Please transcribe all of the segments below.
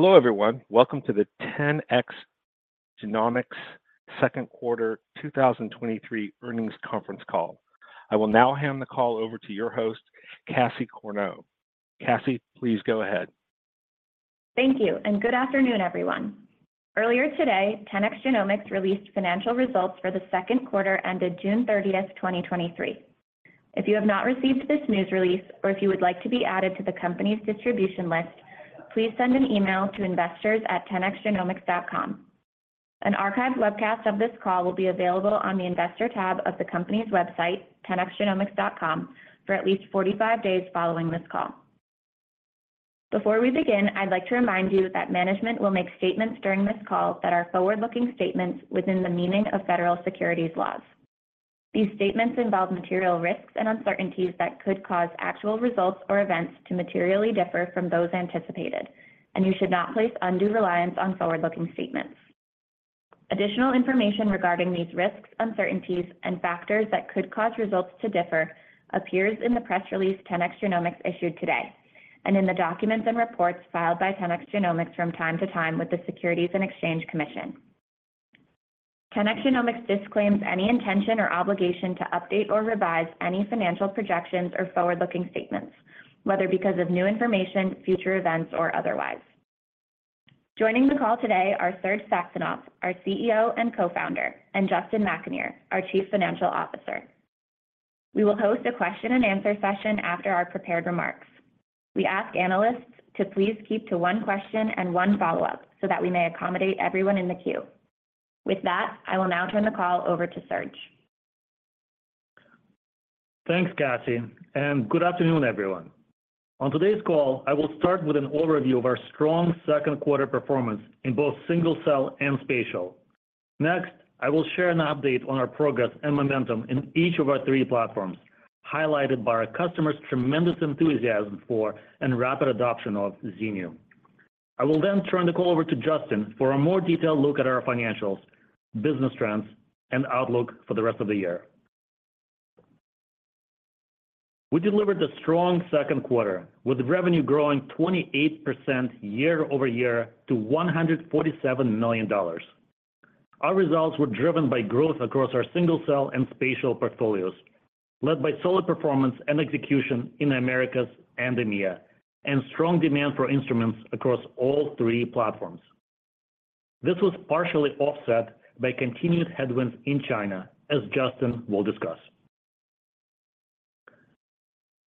Hello, everyone. Welcome to the 10x Genomics second quarter 2023 earnings conference call. I will now hand the call over to your host, Cassie Corneau. Cassie, please go ahead. Thank you, and good afternoon, everyone. Earlier today, 10x Genomics released financial results for the second quarter ended June 30, 2023. If you have not received this news release or if you would like to be added to the company's distribution list, please send an email to investors at 10xgenomics.com. An archived webcast of this call will be available on the Investor tab of the company's website, 10xgenomics.com, for at least 45 days following this call. Before we begin, I'd like to remind you that management will make statements during this call that are forward-looking statements within the meaning of federal securities laws. These statements involve material risks and uncertainties that could cause actual results or events to materially differ from those anticipated, and you should not place undue reliance on forward-looking statements. Additional information regarding these risks, uncertainties, and factors that could cause results to differ appears in the press release 10x Genomics issued today, and in the documents and reports filed by 10x Genomics from time to time with the Securities and Exchange Commission. 10x Genomics disclaims any intention or obligation to update or revise any financial projections or forward-looking statements, whether because of new information, future events, or otherwise. Joining the call today are Serge Saxonov, our CEO and Co-founder, and Justin McAnear, our Chief Financial Officer. We will host a question and answer session after our prepared remarks. We ask analysts to please keep to one question and one follow-up so that we may accommodate everyone in the queue. With that, I will now turn the call over to Serge. Thanks, Cassie. Good afternoon, everyone. On today's call, I will start with an overview of our strong second quarter performance in both single-cell and spatial. Next, I will share an update on our progress and momentum in each of our three platforms, highlighted by our customers' tremendous enthusiasm for and rapid adoption of Xenium. I will turn the call over to Justin for a more detailed look at our financials, business trends, and outlook for the rest of the year. We delivered a strong second quarter, with revenue growing 28% year-over-year to $147 million. Our results were driven by growth across our single-cell and spatial portfolios, led by solid performance and execution in Americas and EMEA, and strong demand for instruments across all three platforms. This was partially offset by continued headwinds in China, as Justin will discuss.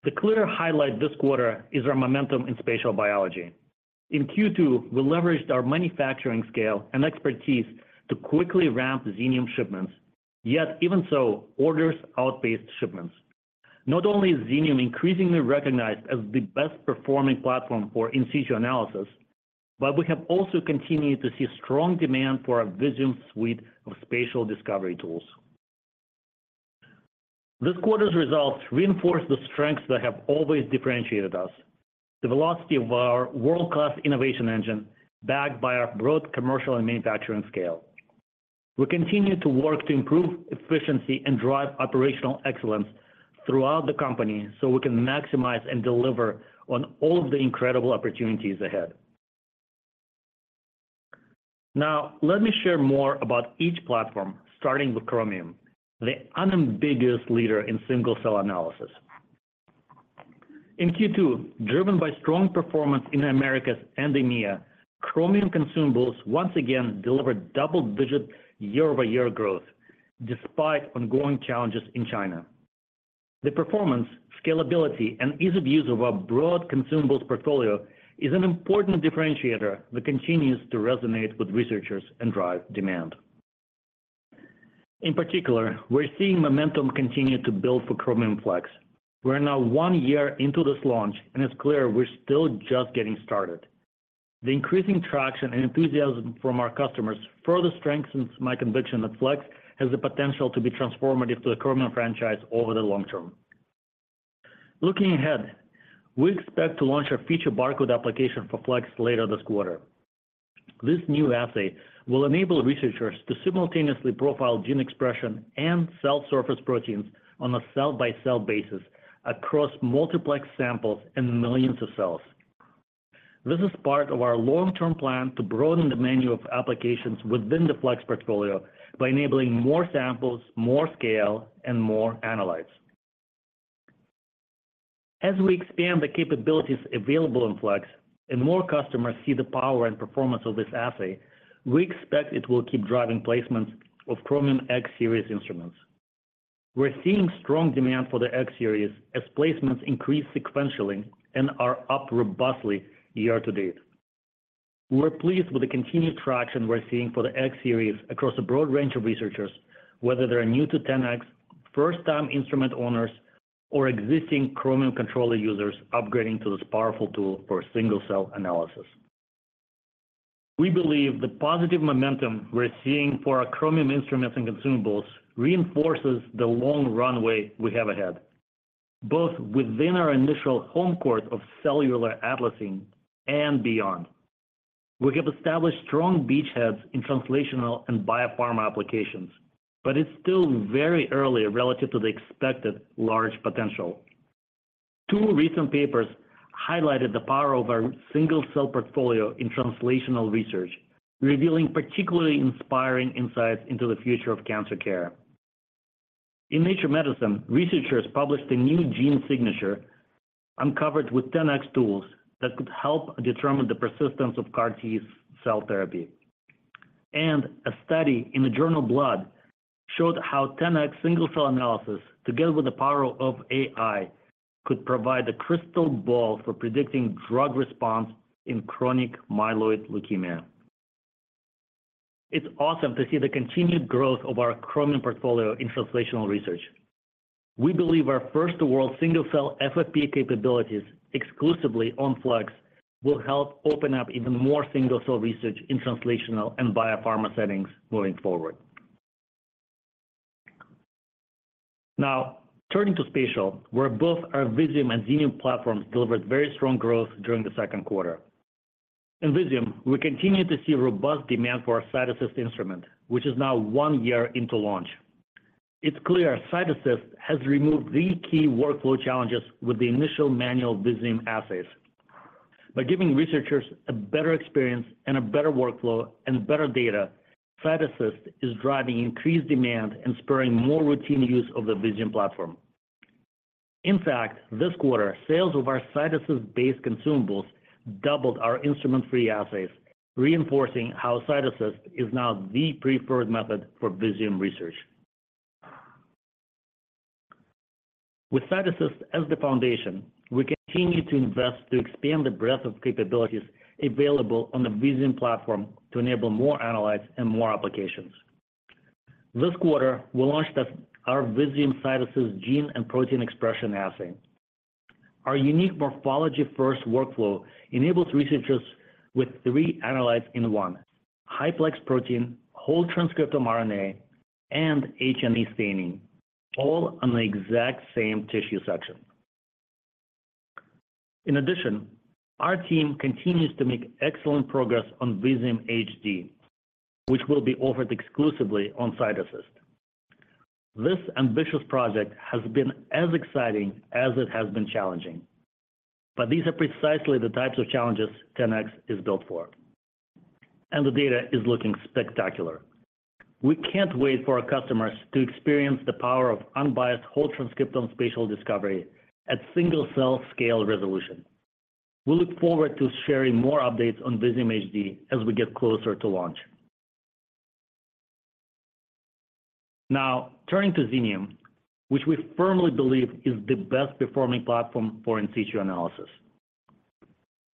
The clear highlight this quarter is our momentum in spatial biology. In Q2, we leveraged our manufacturing scale and expertise to quickly ramp Xenium shipments, yet even so, orders outpaced shipments. Not only is Xenium increasingly recognized as the best-performing platform for in situ analysis, but we have also continued to see strong demand for our Visium Suite of Spatial discovery tools. This quarter's results reinforce the strengths that have always differentiated us, the velocity of our world-class innovation engine, backed by our broad commercial and manufacturing scale. We continue to work to improve efficiency and drive operational excellence throughout the company, so we can maximize and deliver on all of the incredible opportunities ahead. Now, let me share more about each platform, starting with Chromium, the unambiguous leader in single-cell analysis. In Q2, driven by strong performance in Americas and EMEA, Chromium consumables once again delivered double-digit year-over-year growth, despite ongoing challenges in China. The performance, scalability, and ease of use of our broad consumables portfolio is an important differentiator that continues to resonate with researchers and drive demand. In particular, we're seeing momentum continue to build for Chromium Flex. We're now one year into this launch, and it's clear we're still just getting started. The increasing traction and enthusiasm from our customers further strengthens my conviction that Flex has the potential to be transformative to the Chromium franchise over the long term. Looking ahead, we expect to launch our feature barcode application for Flex later this quarter. This new assay will enable researchers to simultaneously profile gene expression and cell surface proteins on a cell-by-cell basis across multiplex samples and millions of cells. This is part of our long-term plan to broaden the menu of applications within the Flex portfolio by enabling more samples, more scale, and more analyses. As we expand the capabilities available in Flex, and more customers see the power and performance of this assay, we expect it will keep driving placements of Chromium X Series instruments. We're seeing strong demand for the X Series as placements increase sequentially and are up robustly year to date. We're pleased with the continued traction we're seeing for the X Series across a broad range of researchers, whether they are new to 10x, first time instrument owners, or existing Chromium controller users upgrading to this powerful tool for single-cell analysis. We believe the positive momentum we're seeing for our Chromium instruments and consumables reinforces the long runway we have ahead, both within our initial home court of cellular atlasing and beyond. We have established strong beachheads in translational and biopharma applications, but it's still very early relative to the expected large potential. Two recent papers highlighted the power of our single-cell portfolio in translational research, revealing particularly inspiring insights into the future of cancer care. In Nature Medicine, researchers published a new gene signature uncovered with 10x tools that could help determine the persistence of CAR T cell therapy. A study in the journal Blood showed how 10x single-cell analysis, together with the power of AI, could provide a crystal ball for predicting drug response in chronic myeloid leukemia. It's awesome to see the continued growth of our Chromium portfolio in translational research. We believe our first-to-world single-cell FFPE capabilities, exclusively on Flex, will help open up even more single-cell research in translational and biopharma settings moving forward. Now, turning to spatial, where both our Visium and Xenium platforms delivered very strong growth during the second quarter. In Visium, we continued to see robust demand for our Cyto-Assist instrument, which is now one year into launch. It's clear Cyto-Assist has removed the key workflow challenges with the initial manual Visium assays. By giving researchers a better experience and a better workflow and better data, Cyto-Assist is driving increased demand and spurring more routine use of the Visium platform. In fact, this quarter, sales of our Cyto-Assist based consumables doubled our instrument-free assays, reinforcing how Cyto-Assist is now the preferred method for Visium research. With Cyto-Assist as the foundation, we continue to invest to expand the breadth of capabilities available on the Visium platform to enable more analytes and more applications. This quarter, we launched our Visium Cyto-Assist gene and protein expression assay. Our unique morphology-first workflow enables researchers with three analytes in one: high-plex protein, whole transcriptome RNA, and H&E staining, all on the exact same tissue section. In addition, our team continues to make excellent progress on Visium HD, which will be offered exclusively on Cyto-Assist. This ambitious project has been as exciting as it has been challenging, but these are precisely the types of challenges 10x is built for, and the data is looking spectacular. We can't wait for our customers to experience the power of unbiased whole transcriptome spatial discovery at single-cell scale resolution. We look forward to sharing more updates on Visium HD as we get closer to launch. Now, turning to Xenium, which we firmly believe is the best performing platform for in situ analysis.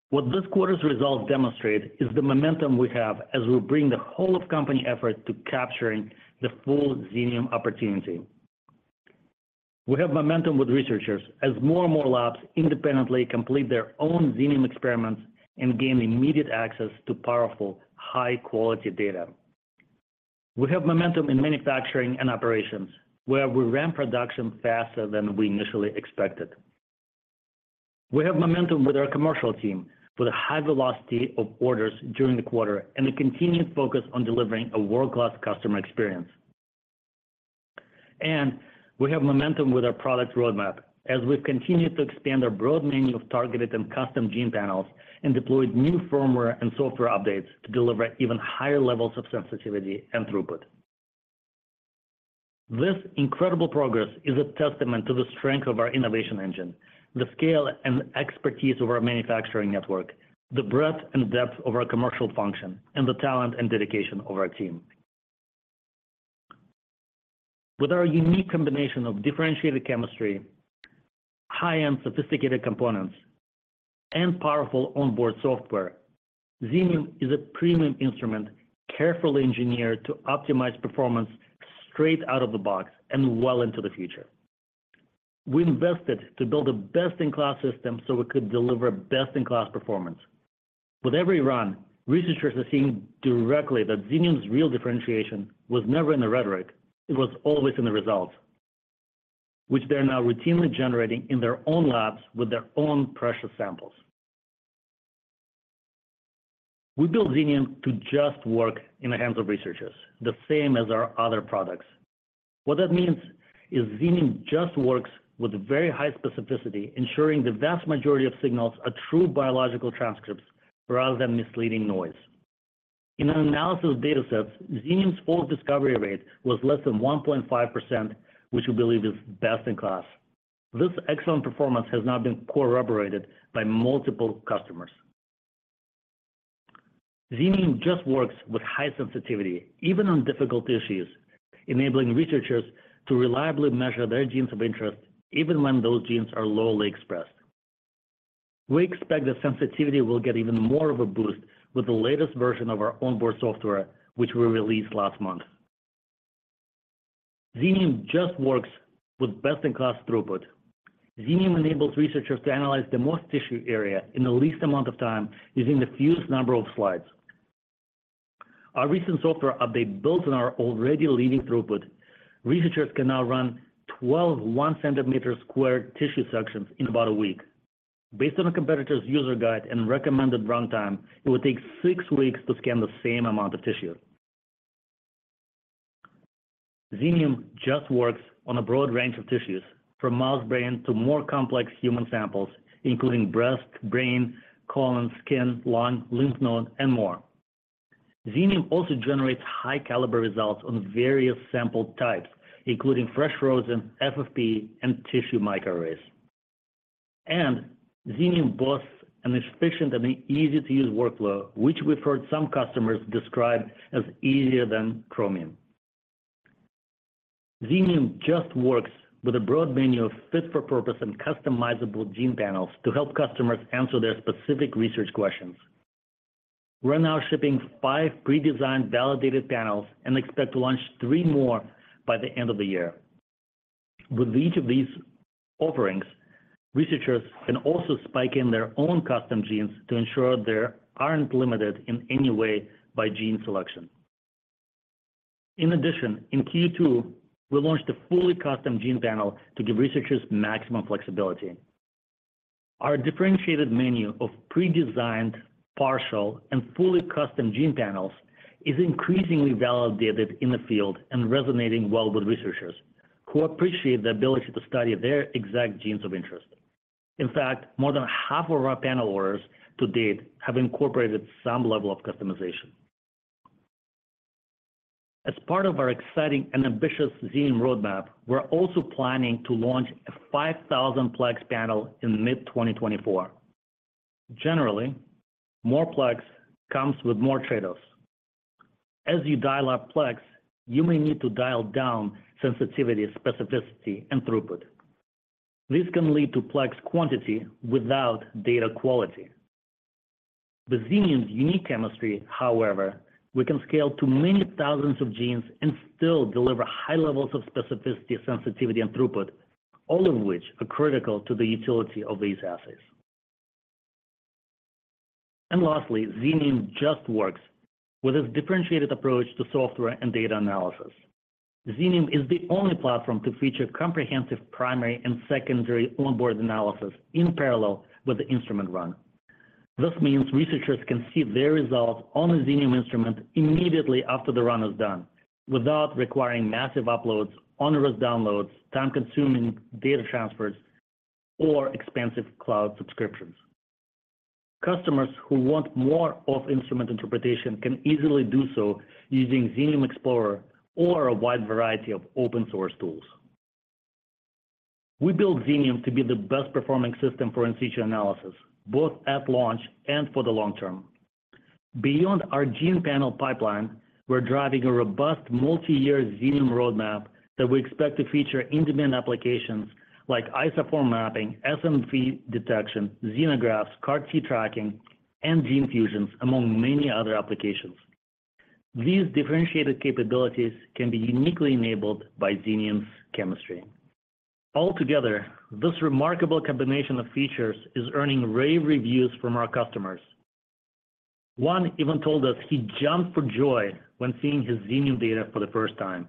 What this quarter's results demonstrate is the momentum we have as we bring the whole of company effort to capturing the full Xenium opportunity. We have momentum with researchers as more and more labs independently complete their own Xenium experiments and gain immediate access to powerful, high-quality data. We have momentum in manufacturing and operations, where we ramp production faster than we initially expected. We have momentum with our commercial team, with a high velocity of orders during the quarter and a continued focus on delivering a world-class customer experience. We have momentum with our product roadmap, as we've continued to expand our broad menu of targeted and custom gene panels and deployed new firmware and software updates to deliver even higher levels of sensitivity and throughput. This incredible progress is a testament to the strength of our innovation engine, the scale and expertise of our manufacturing network, the breadth and depth of our commercial function, and the talent and dedication of our team. With our unique combination of differentiated chemistry, high-end sophisticated components, and powerful onboard software, Xenium is a premium instrument, carefully engineered to optimize performance straight out of the box and well into the future. We invested to build a best-in-class system so we could deliver best-in-class performance. With every run, researchers are seeing directly that Xenium's real differentiation was never in the rhetoric, it was always in the results, which they are now routinely generating in their own labs with their own precious samples. We built Xenium to just work in the hands of researchers, the same as our other products. What that means is Xenium just works with very high specificity, ensuring the vast majority of signals are true biological transcripts rather than misleading noise. In an analysis of data sets, Xenium's false discovery rate was less than 1.5%, which we believe is best-in-class. This excellent performance has now been corroborated by multiple customers. Xenium just works with high sensitivity, even on difficult issues, enabling researchers to reliably measure their genes of interest, even when those genes are lowly expressed. We expect the sensitivity will get even more of a boost with the latest version of our onboard software, which we released last month. Xenium just works with best-in-class throughput. Xenium enables researchers to analyze the most tissue area in the least amount of time using the fewest number of slides. Our recent software update built on our already leading throughput. Researchers can now run 12 1-centimeter squared tissue sections in about a week. Based on a competitor's user guide and recommended runtime, it would take six weeks to scan the same amount of tissue. Xenium just works on a broad range of tissues, from mouse brain to more complex human samples, including breast, brain, colon, skin, lung, lymph node, and more. Xenium also generates high-caliber results on various sample types, including fresh frozen, FFP, and tissue microarrays. Xenium boasts an efficient and easy-to-use workflow, which we've heard some customers describe as easier than Chromium. Xenium just works with a broad menu of fit-for-purpose and customizable gene panels to help customers answer their specific research questions. We're now shipping five pre-designed, validated panels and expect to launch three more by the end of the year. With each of these offerings, researchers can also spike in their own custom genes to ensure they aren't limited in any way by gene selection. In addition, in Q2, we launched a fully custom gene panel to give researchers maximum flexibility. Our differentiated menu of pre-designed, partial, and fully custom gene panels is increasingly validated in the field and resonating well with researchers, who appreciate the ability to study their exact genes of interest. In fact, more than half of our panel orders to date have incorporated some level of customization. As part of our exciting and ambitious Xenium roadmap, we're also planning to launch a 5,000 plex panel in mid-2024. Generally, more plex comes with more trade-offs. As you dial up plex, you may need to dial down sensitivity, specificity, and throughput. This can lead to plex quantity without data quality. With Xenium's unique chemistry, however, we can scale to many thousands of genes and still deliver high levels of specificity, sensitivity, and throughput, all of which are critical to the utility of these assays. Lastly, Xenium just works with its differentiated approach to software and data analysis. Xenium is the only platform to feature comprehensive primary and secondary onboard analysis in parallel with the instrument run. This means researchers can see their results on a Xenium instrument immediately after the run is done, without requiring massive uploads, onerous downloads, time-consuming data transfers, or expensive cloud subscriptions. Customers who want more off-instrument interpretation can easily do so using Xenium Explorer or a wide variety of open-source tools. We built Xenium to be the best-performing system for in situ analysis, both at launch and for the long term. Beyond our gene panel pipeline, we're driving a robust multi-year Xenium roadmap that we expect to feature in-demand applications like isoform mapping, SNP detection, xenografts, CAR T tracking, and gene fusions, among many other applications. These differentiated capabilities can be uniquely enabled by Xenium's chemistry. Altogether, this remarkable combination of features is earning rave reviews from our customers. One even told us he jumped for joy when seeing his Xenium data for the first time.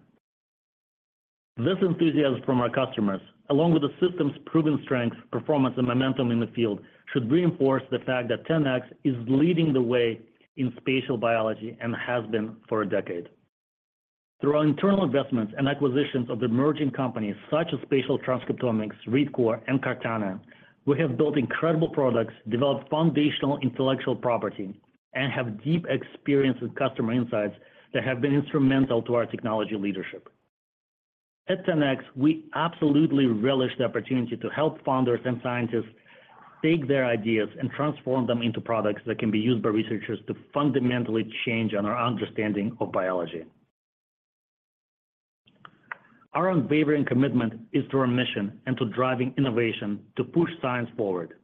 This enthusiasm from our customers, along with the system's proven strength, performance, and momentum in the field, should reinforce the fact that 10x is leading the way in spatial biology and has been for a decade. Through our internal investments and acquisitions of the emerging companies such as Spatial Transcriptomics, ReadCore, and Cartana, we have built incredible products, developed foundational intellectual property, and have deep experience with customer insights that have been instrumental to our technology leadership. At 10x, we absolutely relish the opportunity to help founders and scientists take their ideas and transform them into products that can be used by researchers to fundamentally change on our understanding of biology. Our unwavering commitment is to our mission and to driving innovation to push science forward.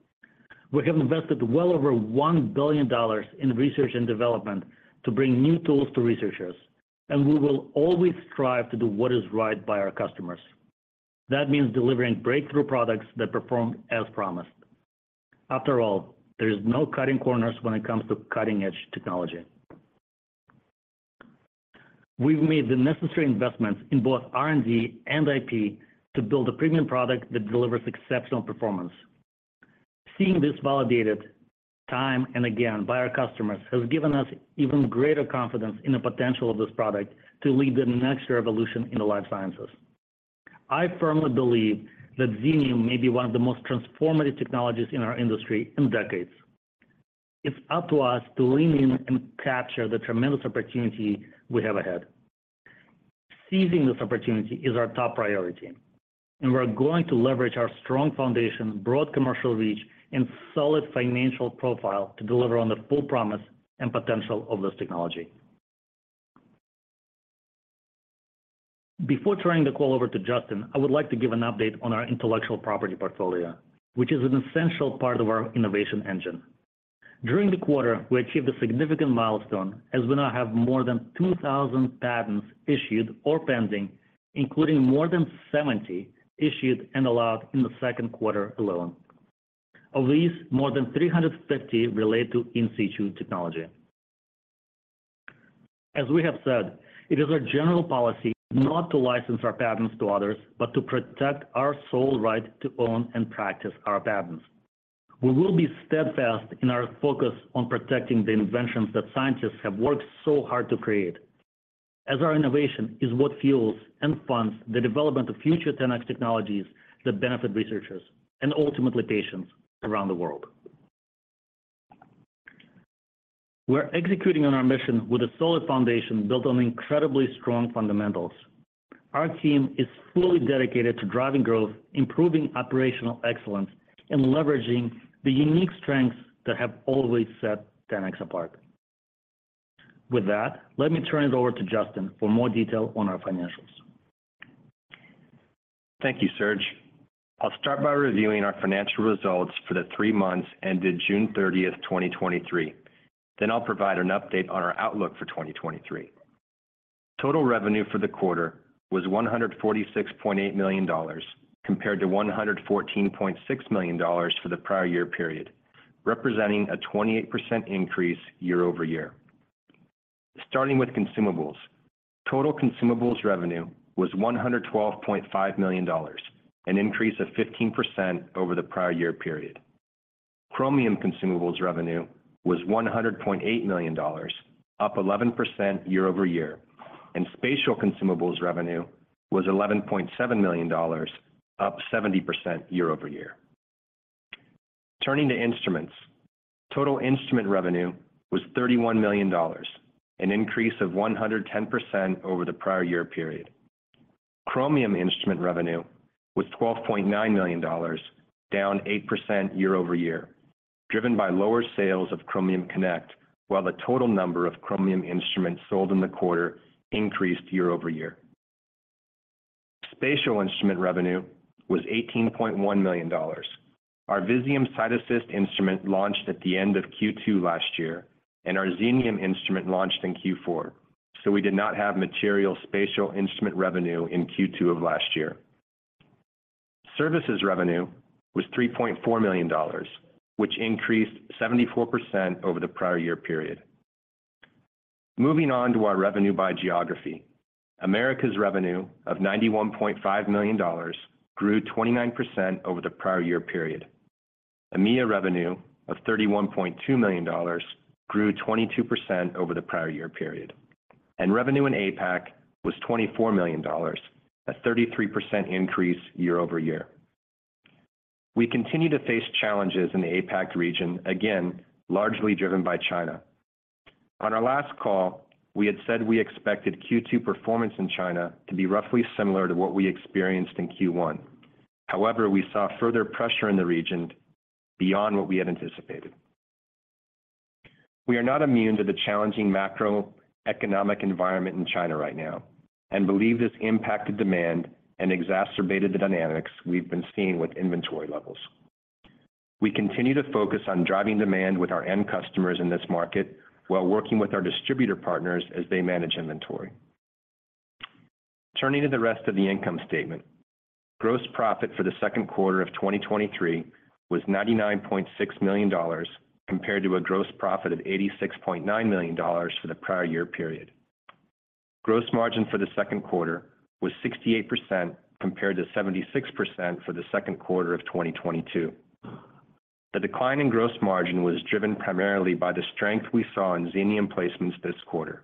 We have invested well over $1 billion in research and development to bring new tools to researchers, and we will always strive to do what is right by our customers. That means delivering breakthrough products that perform as promised. After all, there is no cutting corners when it comes to cutting-edge technology. We've made the necessary investments in both R&D and IP to build a premium product that delivers exceptional performance. Seeing this validated time and again by our customers has given us even greater confidence in the potential of this product to lead the next revolution in the life sciences. I firmly believe that Xenium may be one of the most transformative technologies in our industry in decades. It's up to us to lean in and capture the tremendous opportunity we have ahead. Seizing this opportunity is our top priority, and we're going to leverage our strong foundation, broad commercial reach, and solid financial profile to deliver on the full promise and potential of this technology. Before turning the call over to Justin, I would like to give an update on our intellectual property portfolio, which is an essential part of our innovation engine. During the quarter, we achieved a significant milestone, as we now have more than 2,000 patents issued or pending, including more than 70 issued and allowed in the second quarter alone. Of these, more than 350 relate to in situ technology. As we have said, it is our general policy not to license our patents to others, but to protect our sole right to own and practice our patents.... We will be steadfast in our focus on protecting the inventions that scientists have worked so hard to create, as our innovation is what fuels and funds the development of future 10x technologies that benefit researchers and ultimately patients around the world. We're executing on our mission with a solid foundation built on incredibly strong fundamentals. Our team is fully dedicated to driving growth, improving operational excellence, and leveraging the unique strengths that have always set 10x apart. With that, let me turn it over to Justin for more detail on our financials. Thank you, Serge. I'll start by reviewing our financial results for the three months ended June 30, 2023. I'll provide an update on our outlook for 2023. Total revenue for the quarter was $146.8 million, compared to $114.6 million for the prior year period, representing a 28% increase year-over-year. Starting with consumables, total consumables revenue was $112.5 million, an increase of 15% over the prior year period. Chromium consumables revenue was $100.8 million, up 11% year-over-year, and spatial consumables revenue was $11.7 million, up 70% year-over-year. Turning to instruments, total instrument revenue was $31 million, an increase of 110% over the prior year period. Chromium instrument revenue was $12.9 million, down 8% year-over-year, driven by lower sales of Chromium Connect, while the total number of Chromium instruments sold in the quarter increased year-over-year. Spatial instrument revenue was $18.1 million. Our Visium CytAssist instrument launched at the end of Q2 last year, and our Xenium instrument launched in Q4, so we did not have material spatial instrument revenue in Q2 of last year. Services revenue was $3.4 million, which increased 74% over the prior year period. Moving on to our revenue by geography. Americas revenue of $91.5 million grew 29% over the prior year period. EMEA revenue of $31.2 million grew 22% over the prior year period, and revenue in APAC was $24 million, a 33% increase year-over-year. We continue to face challenges in the APAC region, again, largely driven by China. On our last call, we had said we expected Q2 performance in China to be roughly similar to what we experienced in Q1. However, we saw further pressure in the region beyond what we had anticipated. We are not immune to the challenging macroeconomic environment in China right now and believe this impacted demand and exacerbated the dynamics we've been seeing with inventory levels. We continue to focus on driving demand with our end customers in this market while working with our distributor partners as they manage inventory. Turning to the rest of the income statement. Gross profit for the second quarter of 2023 was $99.6 million, compared to a gross profit of $86.9 million for the prior year period. Gross margin for the second quarter was 68%, compared to 76% for the second quarter of 2022. The decline in gross margin was driven primarily by the strength we saw in Xenium placements this quarter.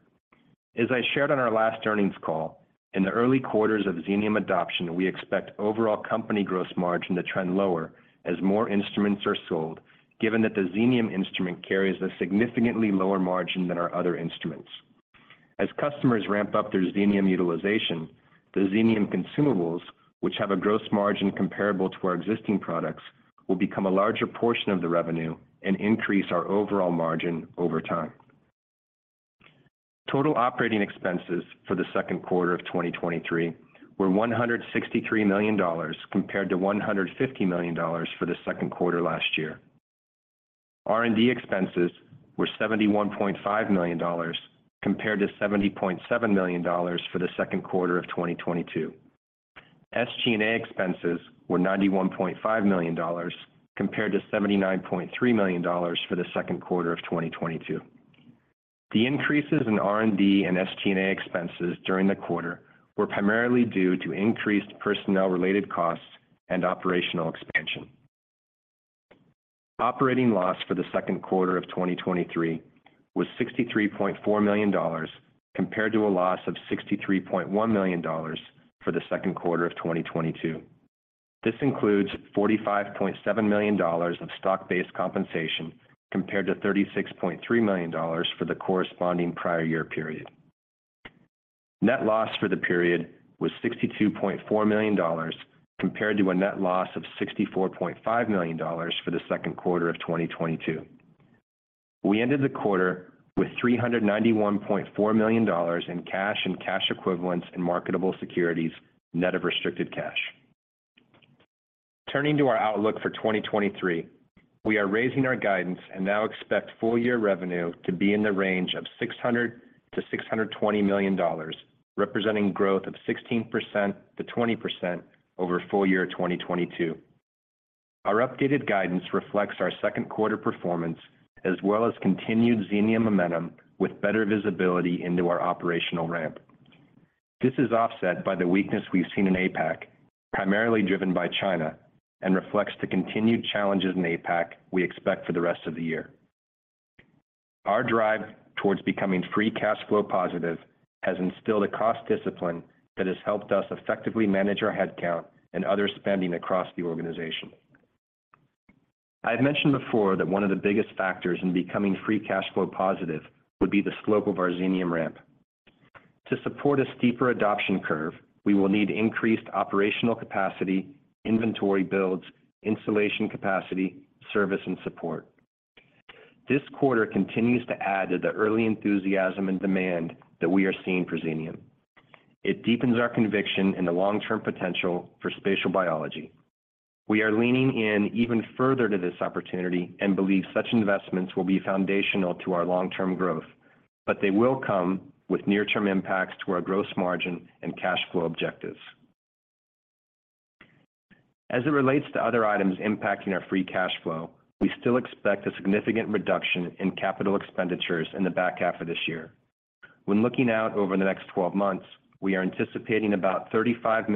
As I shared on our last earnings call, in the early quarters of Xenium adoption, we expect overall company gross margin to trend lower as more instruments are sold, given that the Xenium instrument carries a significantly lower margin than our other instruments. As customers ramp up their Xenium utilization, the Xenium consumables, which have a gross margin comparable to our existing products, will become a larger portion of the revenue and increase our overall margin over time. Total operating expenses for the second quarter of 2023 were $163 million, compared to $150 million for the second quarter last year. R&D expenses were $71.5 million, compared to $70.7 million for the second quarter of 2022. SG&A expenses were $91.5 million, compared to $79.3 million for the second quarter of 2022. The increases in R&D and SG&A expenses during the quarter were primarily due to increased personnel-related costs and operational expansion. Operating loss for the second quarter of 2023 was $63.4 million, compared to a loss of $63.1 million for the second quarter of 2022. This includes $45.7 million of stock-based compensation, compared to $36.3 million for the corresponding prior year period. Net loss for the period was $62.4 million, compared to a net loss of $64.5 million for the second quarter of 2022. We ended the quarter with $391.4 million in cash and cash equivalents in marketable securities, net of restricted cash. Turning to our outlook for 2023, we are raising our guidance and now expect full year revenue to be in the range of $600 million-$620 million, representing growth of 16%-20% over full year 2022. Our updated guidance reflects our second quarter performance, as well as continued Xenium momentum with better visibility into our operational ramp. This is offset by the weakness we've seen in APAC, primarily driven by China, and reflects the continued challenges in APAC we expect for the rest of the year. Our drive towards becoming free cash flow positive has instilled a cost discipline that has helped us effectively manage our headcount and other spending across the organization. I've mentioned before that one of the biggest factors in becoming free cash flow positive would be the slope of our Xenium ramp. To support a steeper adoption curve, we will need increased operational capacity, inventory builds, installation capacity, service, and support. This quarter continues to add to the early enthusiasm and demand that we are seeing for Xenium. It deepens our conviction in the long-term potential for spatial biology. We are leaning in even further to this opportunity and believe such investments will be foundational to our long-term growth, but they will come with near-term impacts to our gross margin and cash flow objectives. As it relates to other items impacting our free cash flow, we still expect a significant reduction in capital expenditures in the back half of this year. When looking out over the next 12 months, we are anticipating about $35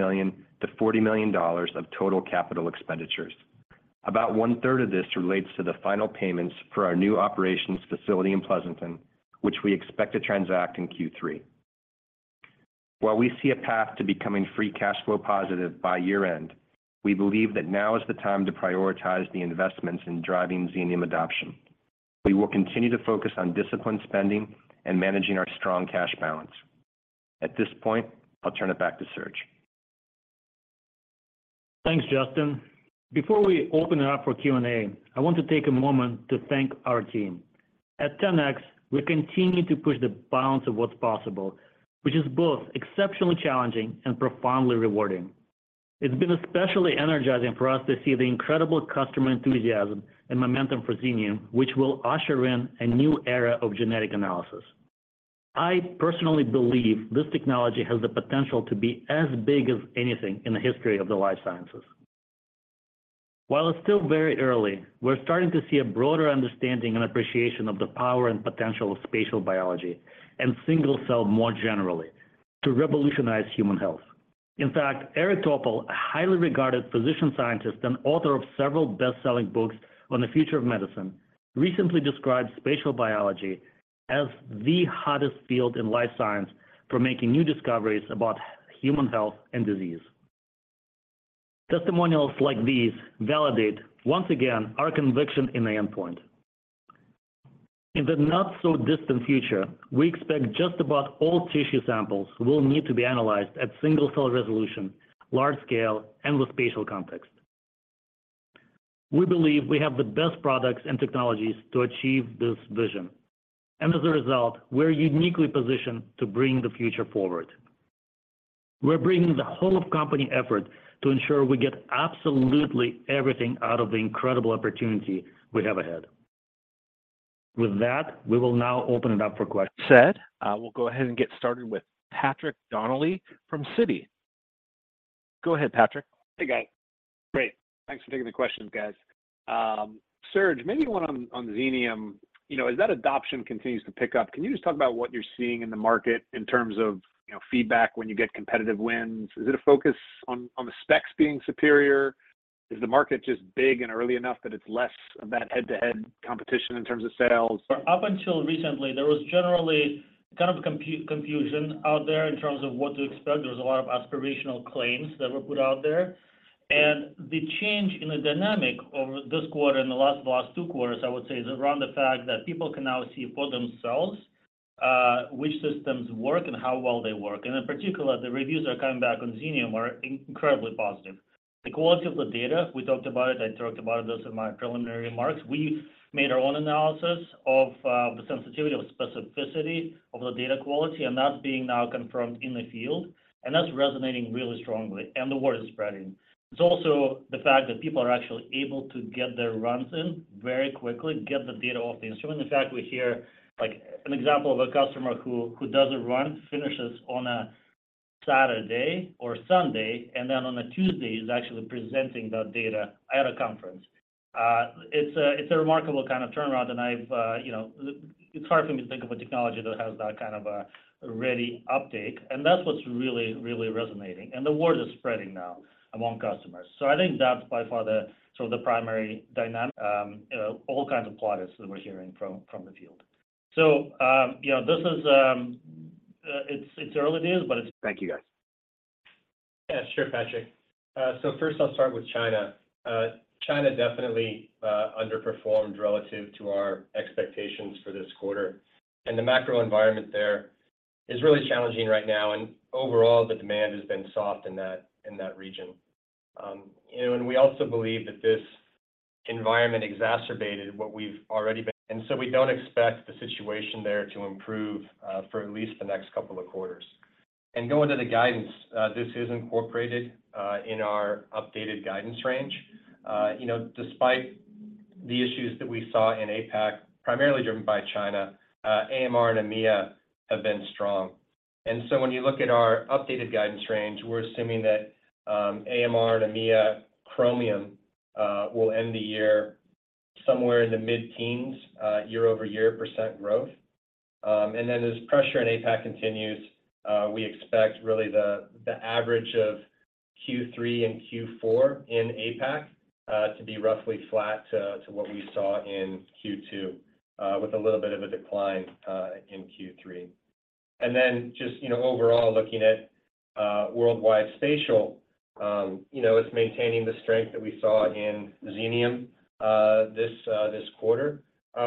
million-$40 million of total capital expenditures. About one-third of this relates to the final payments for our new operations facility in Pleasanton, which we expect to transact in Q3. While we see a path to becoming free cash flow positive by year-end, we believe that now is the time to prioritize the investments in driving Xenium adoption. We will continue to focus on disciplined spending and managing our strong cash balance. At this point, I'll turn it back to Serge. Thanks, Justin. Before we open it up for Q&A, I want to take a moment to thank our team. At 10x, we continue to push the bounds of what's possible, which is both exceptionally challenging and profoundly rewarding. It's been especially energizing for us to see the incredible customer enthusiasm and momentum for Xenium, which will usher in a new era of genetic analysis. I personally believe this technology has the potential to be as big as anything in the history of the life sciences. While it's still very early, we're starting to see a broader understanding and appreciation of the power and potential of spatial biology, and single-cell more generally, to revolutionize human health. In fact, Eric Topol, a highly regarded physician, scientist, and author of several best-selling books on the future of medicine, recently described spatial biology as the hottest field in life science for making new discoveries about human health and disease. Testimonials like these validate, once again, our conviction in the endpoint. In the not so distant future, we expect just about all tissue samples will need to be analyzed at single-cell resolution, large scale, and with spatial context. We believe we have the best products and technologies to achieve this vision, and as a result, we're uniquely positioned to bring the future forward. We're bringing the whole company effort to ensure we get absolutely everything out of the incredible opportunity we have ahead. With that, we will now open it up for questions. Set, we'll go ahead and get started with Patrick Donnelly from Citi. Go ahead, Patrick. Hey, guys. Great. Thanks for taking the questions, guys. Serge, maybe one on, on Xenium. You know, as that adoption continues to pick up, can you just talk about what you're seeing in the market in terms of, you know, feedback when you get competitive wins? Is it a focus on, on the specs being superior? Is the market just big and early enough that it's less of that head-to-head competition in terms of sales? Up until recently, there was generally kind of confusion out there in terms of what to expect. There was a lot of aspirational claims that were put out there. The change in the dynamic over this quarter and the last, last two quarters, I would say, is around the fact that people can now see for themselves which systems work and how well they work. In particular, the reviews are coming back on Xenium are incredibly positive. The quality of the data, we talked about it, I talked about it, this is my preliminary remarks. We made our own analysis of the sensitivity of specificity of the data quality, and that's being now confirmed in the field, and that's resonating really strongly, and the word is spreading. It's also the fact that people are actually able to get their runs in very quickly, get the data off the instrument. In fact, we hear, like, an example of a customer who, who does a run, finishes on a Saturday or Sunday, and then on a Tuesday, he's actually presenting that data at a conference. It's a remarkable kind of turnaround, and I've, you know, it's hard for me to think of a technology that has that kind of a ready uptake, and that's what's really, really resonating, and the word is spreading now among customers. I think that's by far the, sort of the primary dynamic, you know, all kinds of products that we're hearing from, from the field. This is, you know, it's early days, but it's- Thank you, guys. Yeah, sure, Patrick. First I'll start with China. China definitely underperformed relative to our expectations for this quarter, and the macro environment there is really challenging right now, and overall, the demand has been soft in that, in that region. We also believe that this environment exacerbated what we've already been, and we don't expect the situation there to improve for at least the next couple of quarters. Going to the guidance, this is incorporated in our updated guidance range. You know, despite the issues that we saw in APAC, primarily driven by China, AMR and EMEA have been strong. When you look at our updated guidance range, we're assuming that AMR and EMEA, Chromium, will end the year somewhere in the mid-teens year-over-year % growth. As pressure in APAC continues, we expect really the average of Q3 and Q4 in APAC to be roughly flat to what we saw in Q2, with a little bit of a decline in Q3. Just, you know, overall, looking at worldwide spatial, you know, it's maintaining the strength that we saw in Xenium this quarter.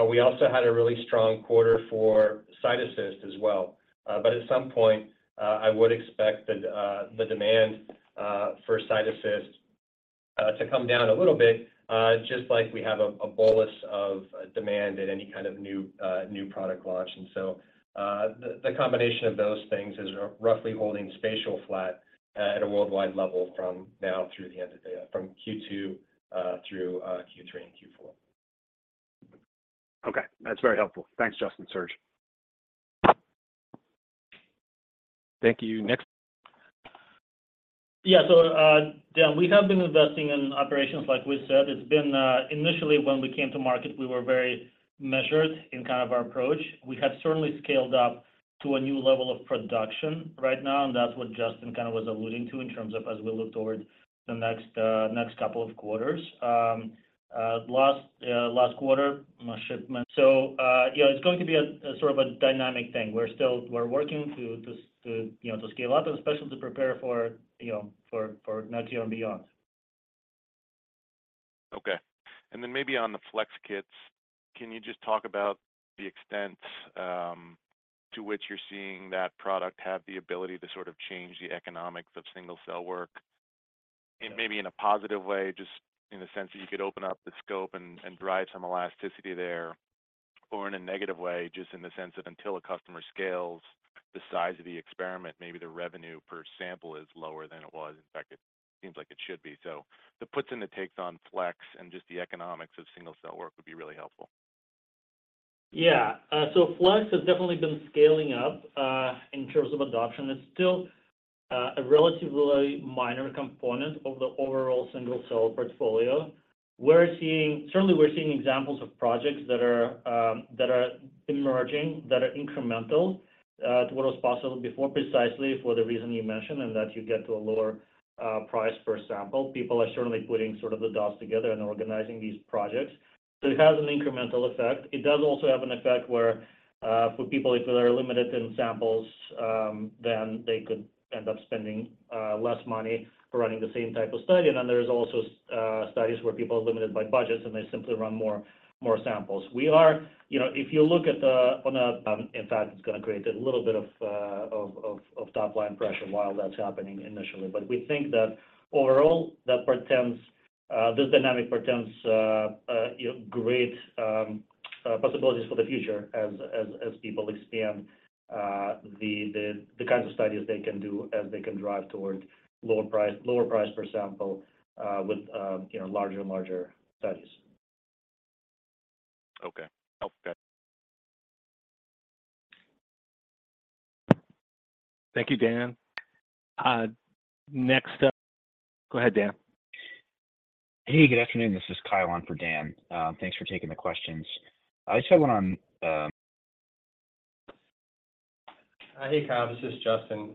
We also had a really strong quarter for CytoAssist as well. At some point, I would expect the demand for CytoAssist to come down a little bit, just like we have a bolus of demand at any kind of new product launch. The combination of those things is roughly holding spatial flat, at a worldwide level from now through the end of the from Q2, through Q3 and Q4. Okay. That's very helpful. Thanks, Justin. Serge? Thank you. Next. Yeah. we have been investing in operations like we said. It's been... Initially, when we came to market, we were very measured in kind of our approach. We have certainly scaled up to a new level of production right now, and that's what Justin kind of was alluding to in terms of as we look toward the next couple of quarters. Last quarter, our shipment. You know, it's going to be a sort of a dynamic thing. We're still working to, you know, to scale up, and especially to prepare for, you know, for, for next year and beyond. Okay. Then maybe on the Flex Kits, can you just talk about the extent to which you're seeing that product have the ability to sort of change the economics of single-cell work? Maybe in a positive way, just in the sense that you could open up the scope and, and drive some elasticity there, or in a negative way, just in the sense that until a customer scales the size of the experiment, maybe the revenue per sample is lower than it was. In fact, it seems like it should be. The puts and the takes on Flex and just the economics of single-cell work would be really helpful. Yeah. Flex has definitely been scaling up in terms of adoption. It's still a relatively minor component of the overall single-cell portfolio. Certainly, we're seeing examples of projects that are emerging, that are incremental to what was possible before, precisely for the reason you mentioned, and that you get to a lower price per sample. People are certainly putting sort of the dots together and organizing these projects, so it has an incremental effect. It does also have an effect where for people, if they are limited in samples, then they could end up spending less money for running the same type of study. Then there's also studies where people are limited by budgets, and they simply run more, more samples. You know, if you look at the, in fact, it's gonna create a little bit of, of, of, of top-line pressure while that's happening initially. We think that overall, that portends this dynamic portends, you know, great possibilities for the future as, as, as people expand the, the, the kinds of studies they can do as they can drive toward lower price, lower price per sample, with, you know, larger and larger studies. Okay. Oh, got it. Thank you, Dan. Go ahead, Dan. Hey, good afternoon. This is Kyle on for Dan. Thanks for taking the questions. I just had one on, - Hey, Kyle, this is Justin.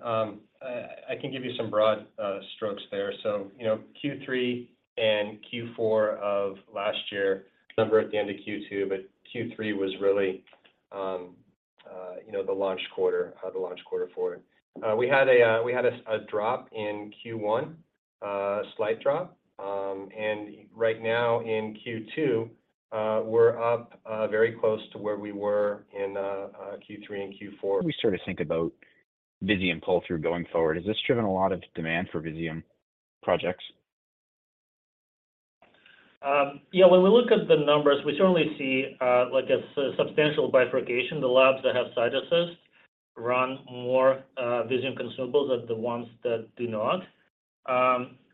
You know, Q3 and Q4 of last year, number at the end of Q2, but Q3 was really, you know, the launch quarter, the launch quarter for it. We had a, we had a, a drop in Q1, slight drop. Right now in Q2, we're up, very close to where we were in Q3 and Q4. We sort of think about Visium pull-through going forward. Has this driven a lot of demand for Visium projects? Yeah, when we look at the numbers, we certainly see like a substantial bifurcation. The labs that have CytoAssist run more Visium consumables than the ones that do not.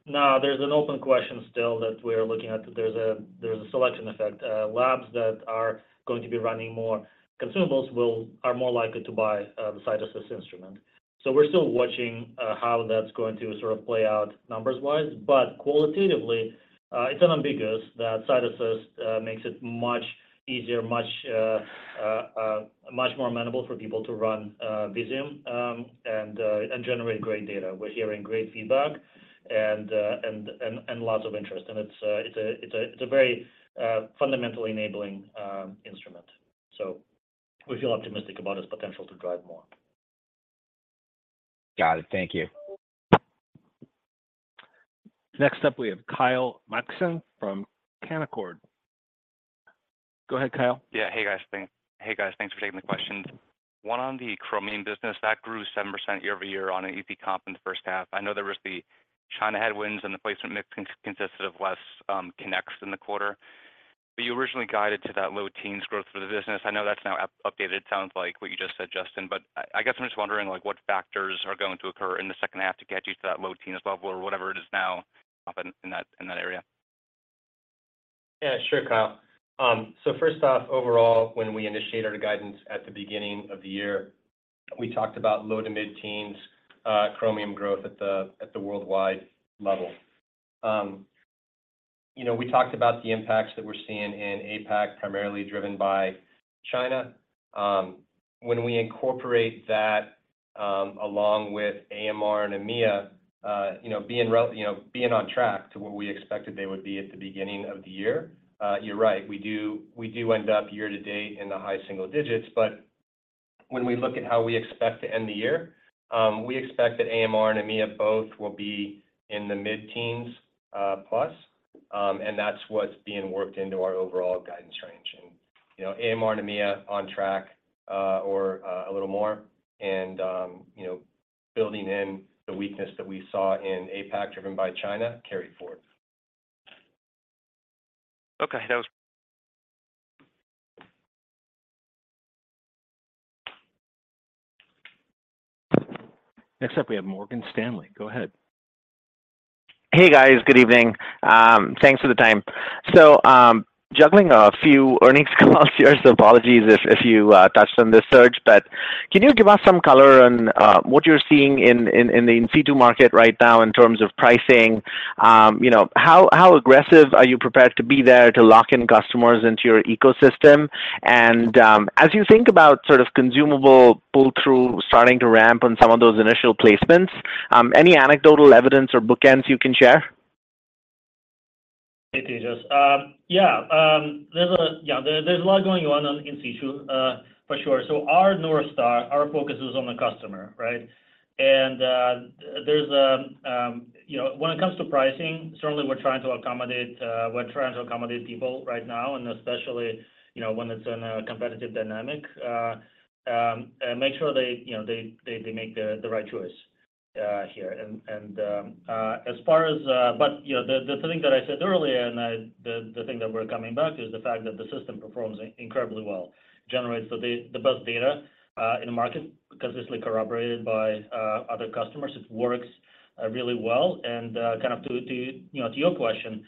Now, there's an open question still that we're looking at. There's a selection effect. Labs that are going to be running more consumables are more likely to buy the CytoAssist instrument. We're still watching how that's going to sort of play out numbers-wise. Qualitatively, it's unambiguous that CytoAssist makes it much easier, much, much more amenable for people to run Visium and generate great data. We're hearing great feedback and lots of interest, and it's a very fundamentally enabling instrument. We feel optimistic about its potential to drive more. Got it. Thank you. Next up, we have Kyle Mikson from Canaccord. Go ahead, Kyle. Yeah. Hey, guys. Thanks for taking the questions. One on the Chromium business, that grew 7% year-over-year on an EP comp in the first half. I know there was the China headwinds, the placement consisted of less connects in the quarter. You originally guided to that low teens growth for the business. I know that's now updated. It sounds like what you just said, Justin, but I, I guess I'm just wondering, like, what factors are going to occur in the second half to get you to that low teens level or whatever it is now up in, in that, in that area? Yeah, sure, Kyle. First off, overall, when we initiated our guidance at the beginning of the year, we talked about low to mid-teens chromium growth at the worldwide level. You know, we talked about the impacts that we're seeing in APAC, primarily driven by China. When we incorporate that, along with AMR and EMEA, you know, being on track to what we expected they would be at the beginning of the year, you're right, we do, we do end up year-to-date in the high single digits. When we look at how we expect to end the year, we expect that AMR and EMEA both will be in the mid-teens plus. That's what's being worked into our overall guidance range. You know, AMR and EMEA on track, or, a little more and, you know, building in the weakness that we saw in APAC, driven by China, carried forward. Okay. Next up, we have Morgan Stanley. Go ahead. Hey, guys. Good evening. Thanks for the time. Juggling a few earnings calls here, so apologies if, if you touched on this, Serge. Can you give us some color on what you're seeing in, in, in the in situ market right now in terms of pricing? You know, how, how aggressive are you prepared to be there to lock in customers into your ecosystem? As you think about sort of consumable pull-through starting to ramp on some of those initial placements, any anecdotal evidence or bookends you can share? Hey, Tejas. Yeah, there's a lot going on in situ for sure. Our North Star, our focus is on the customer, right? There's, you know, when it comes to pricing, certainly we're trying to accommodate, we're trying to accommodate people right now, and especially, you know, when it's in a competitive dynamic, and make sure they, you know, they, they, they make the right choice here. You know, the thing that I said earlier, and I, the thing that we're coming back to is the fact that the system performs incredibly well. Generates the best data in the market, consistently corroborated by other customers. It works really well. Kind of to, to, you know, to your question,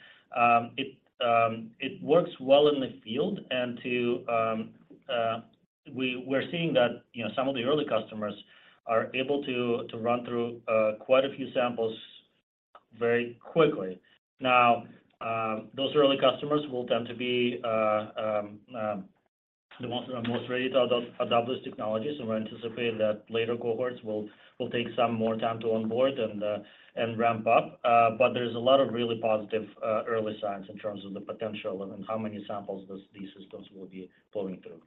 it works well in the field and to, we're seeing that, you know, some of the early customers are able to, to run through, quite a few samples very quickly. Those early customers will tend to be the most, the most ready to adopt, adopt this technology. We anticipate that later cohorts will, will take some more time to onboard and ramp up. There's a lot of really positive early signs in terms of the potential and how many samples these, these systems will be pulling through.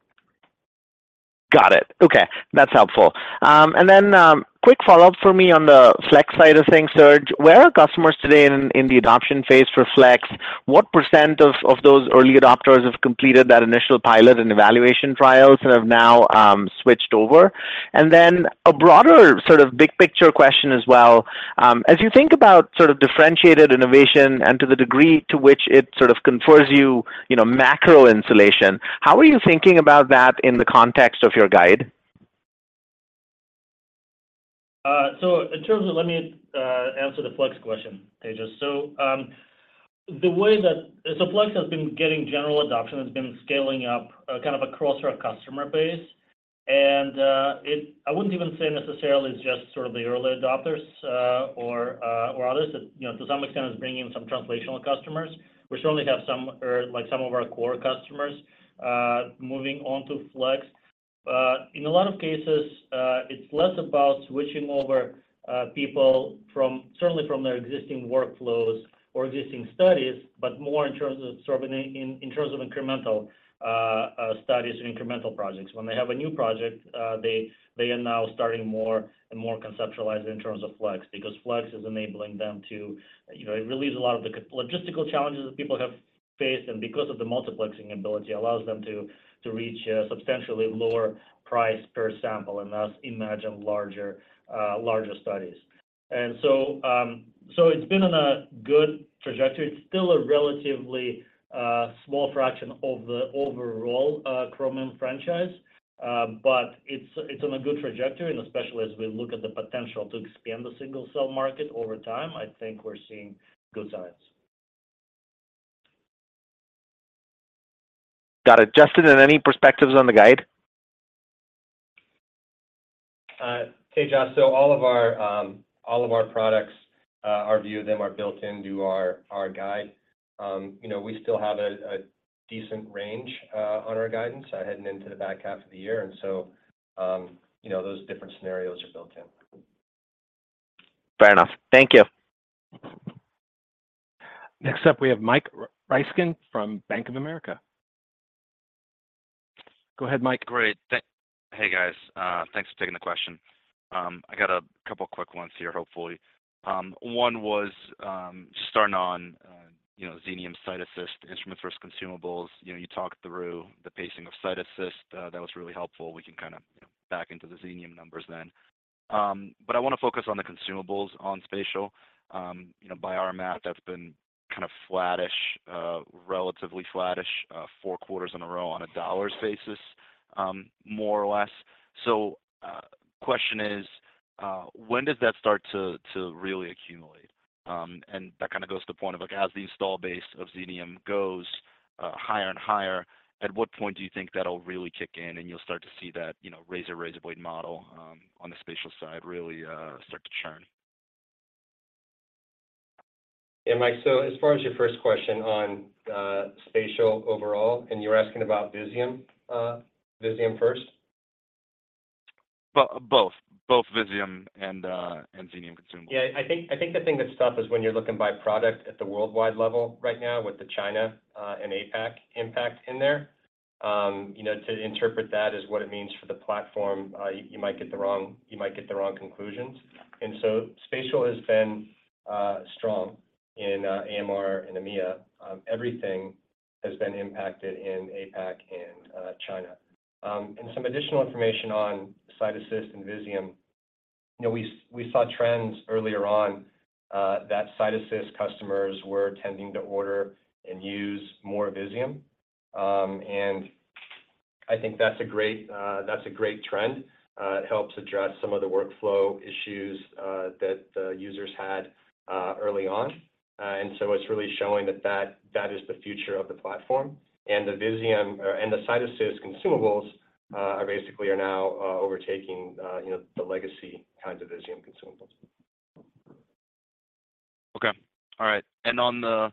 Got it. Okay, that's helpful. Then quick follow-up for me on the Flex side of things, Serge: Where are customers today in, in the adoption phase for Flex? What % of, of those early adopters have completed that initial pilot and evaluation trials and have now switched over? Then a broader sort of big picture question as well, as you think about sort of differentiated innovation and to the degree to which it sort of confers you, you know, macro insulation, how are you thinking about that in the context of your guide? So in terms of... Let me answer the Flex question, Tejas. So the way that... So Flex has been getting general adoption, has been scaling up, kind of across our customer base. And it-- I wouldn't even say necessarily it's just sort of the early adopters or others. It, you know, to some extent, is bringing some translational customers. We certainly have some, like some of our core customers, moving on to Flex. In a lot of cases, it's less about switching over people from, certainly from their existing workflows or existing studies, but more in terms of sort of in, in terms of incremental studies or incremental projects. When they have a new project, they, they are now starting more and more conceptualized in terms of Flex, because Flex is enabling them to... You know, it relieves a lot of the logistical challenges that people have faced, and because of the multiplexing ability, allows them to, to reach a substantially lower price per sample and thus imagine larger, larger studies. It's been on a good trajectory. It's still a relatively small fraction of the overall Chromium franchise, but it's on a good trajectory, and especially as we look at the potential to expand the single-cell market over time, I think we're seeing good signs. Got it. Justin, any perspectives on the guide? Hey, Tejas. All of our, all of our products, our view of them are built into our, our guide. You know, we still have a, a decent range, on our guidance, heading into the back half of the year, and so, you know, those different scenarios are built in. Fair enough. Thank you. Next up, we have Mike Ryskin from Bank of America. Go ahead, Mike. Great. Hey, guys, thanks for taking the question. I got a couple quick ones here, hopefully. One was, just starting on, you know, Xenium SiteAssist, instrument versus consumables. You know, you talked through the pacing of SiteAssist. That was really helpful. We can kind of, you know, back into the Xenium numbers then. I wanna focus on the consumables on spatial. You know, by our math, that's been kind of flattish, relatively flattish, four quarters in a row on a dollars basis, more or less. Question is, when does that start to, to really accumulate? That kind of goes to the point of, like, as the install base of Xenium goes, higher and higher, at what point do you think that'll really kick in, and you'll start to see that, you know, razor, razor blade model, on the spatial side really, start to churn? Yeah, Mike, as far as your first question on spatial overall, you're asking about Visium, Visium first? Both. Both Visium and, and Xenium consumables. Yeah, I think, I think the thing that's tough is when you're looking by product at the worldwide level right now with the China, and APAC impact in there. You know, to interpret that as what it means for the platform, you might get the wrong, you might get the wrong conclusions. Spatial has been strong in AMR and EMEA. Everything has been impacted in APAC and China. Some additional information on CytoAssist and Visium. You know, we saw trends earlier on, that CytoAssist customers were tending to order and use more Visium. I think that's a great, that's a great trend. It helps address some of the workflow issues, that the users had, early on. It's really showing that that, that is the future of the platform. The Visium, or and the CytoAssist consumables, are basically are now, overtaking, you know, the legacy kinds of Visium consumables. Okay. All right. On the...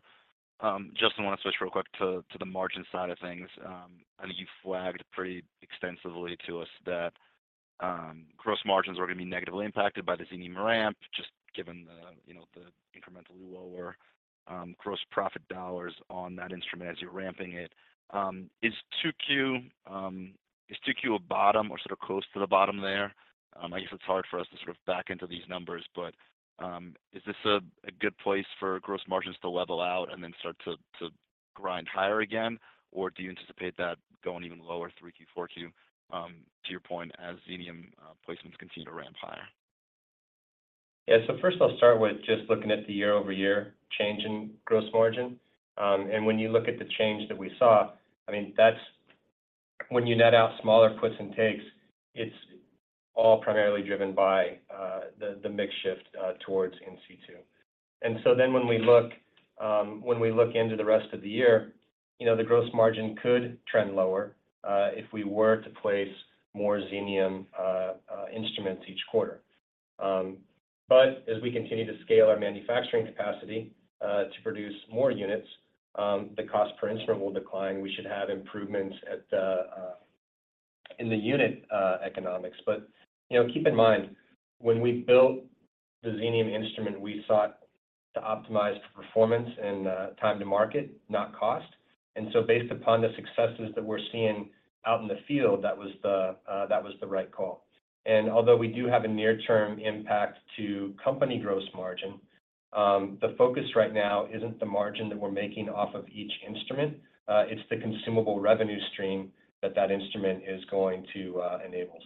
Justin, I wanna switch real quick to, to the margin side of things. I know you flagged pretty extensively to us that gross margins were gonna be negatively impacted by the Xenium ramp, just given the, you know, the incrementally lower gross profit dollars on that instrument as you're ramping it. Is two Q, is two Q a bottom or sort of close to the bottom there? I guess it's hard for us to sort of back into these numbers, but is this a, a good place for gross margins to level out and then start to, to grind higher again, or do you anticipate that going even lower three Q, four Q, to your point, as Xenium placements continue to ramp higher? Yeah. First I'll start with just looking at the year-over-year change in gross margin. When you look at the change that we saw, I mean, that's when you net out smaller puts and takes, it's all primarily driven by the, the mix shift towards NC2. When we look, when we look into the rest of the year, you know, the gross margin could trend lower if we were to place more Xenium instruments each quarter. As we continue to scale our manufacturing capacity to produce more units, the cost per instrument will decline. We should have improvements at the, in the unit economics. You know, keep in mind, when we built the Xenium instrument, we sought to optimize for performance and time to market, not cost. Based upon the successes that we're seeing out in the field, that was the, that was the right call. Although we do have a near-term impact to company gross margin, the focus right now isn't the margin that we're making off of each instrument, it's the consumable revenue stream that that instrument is going to enable.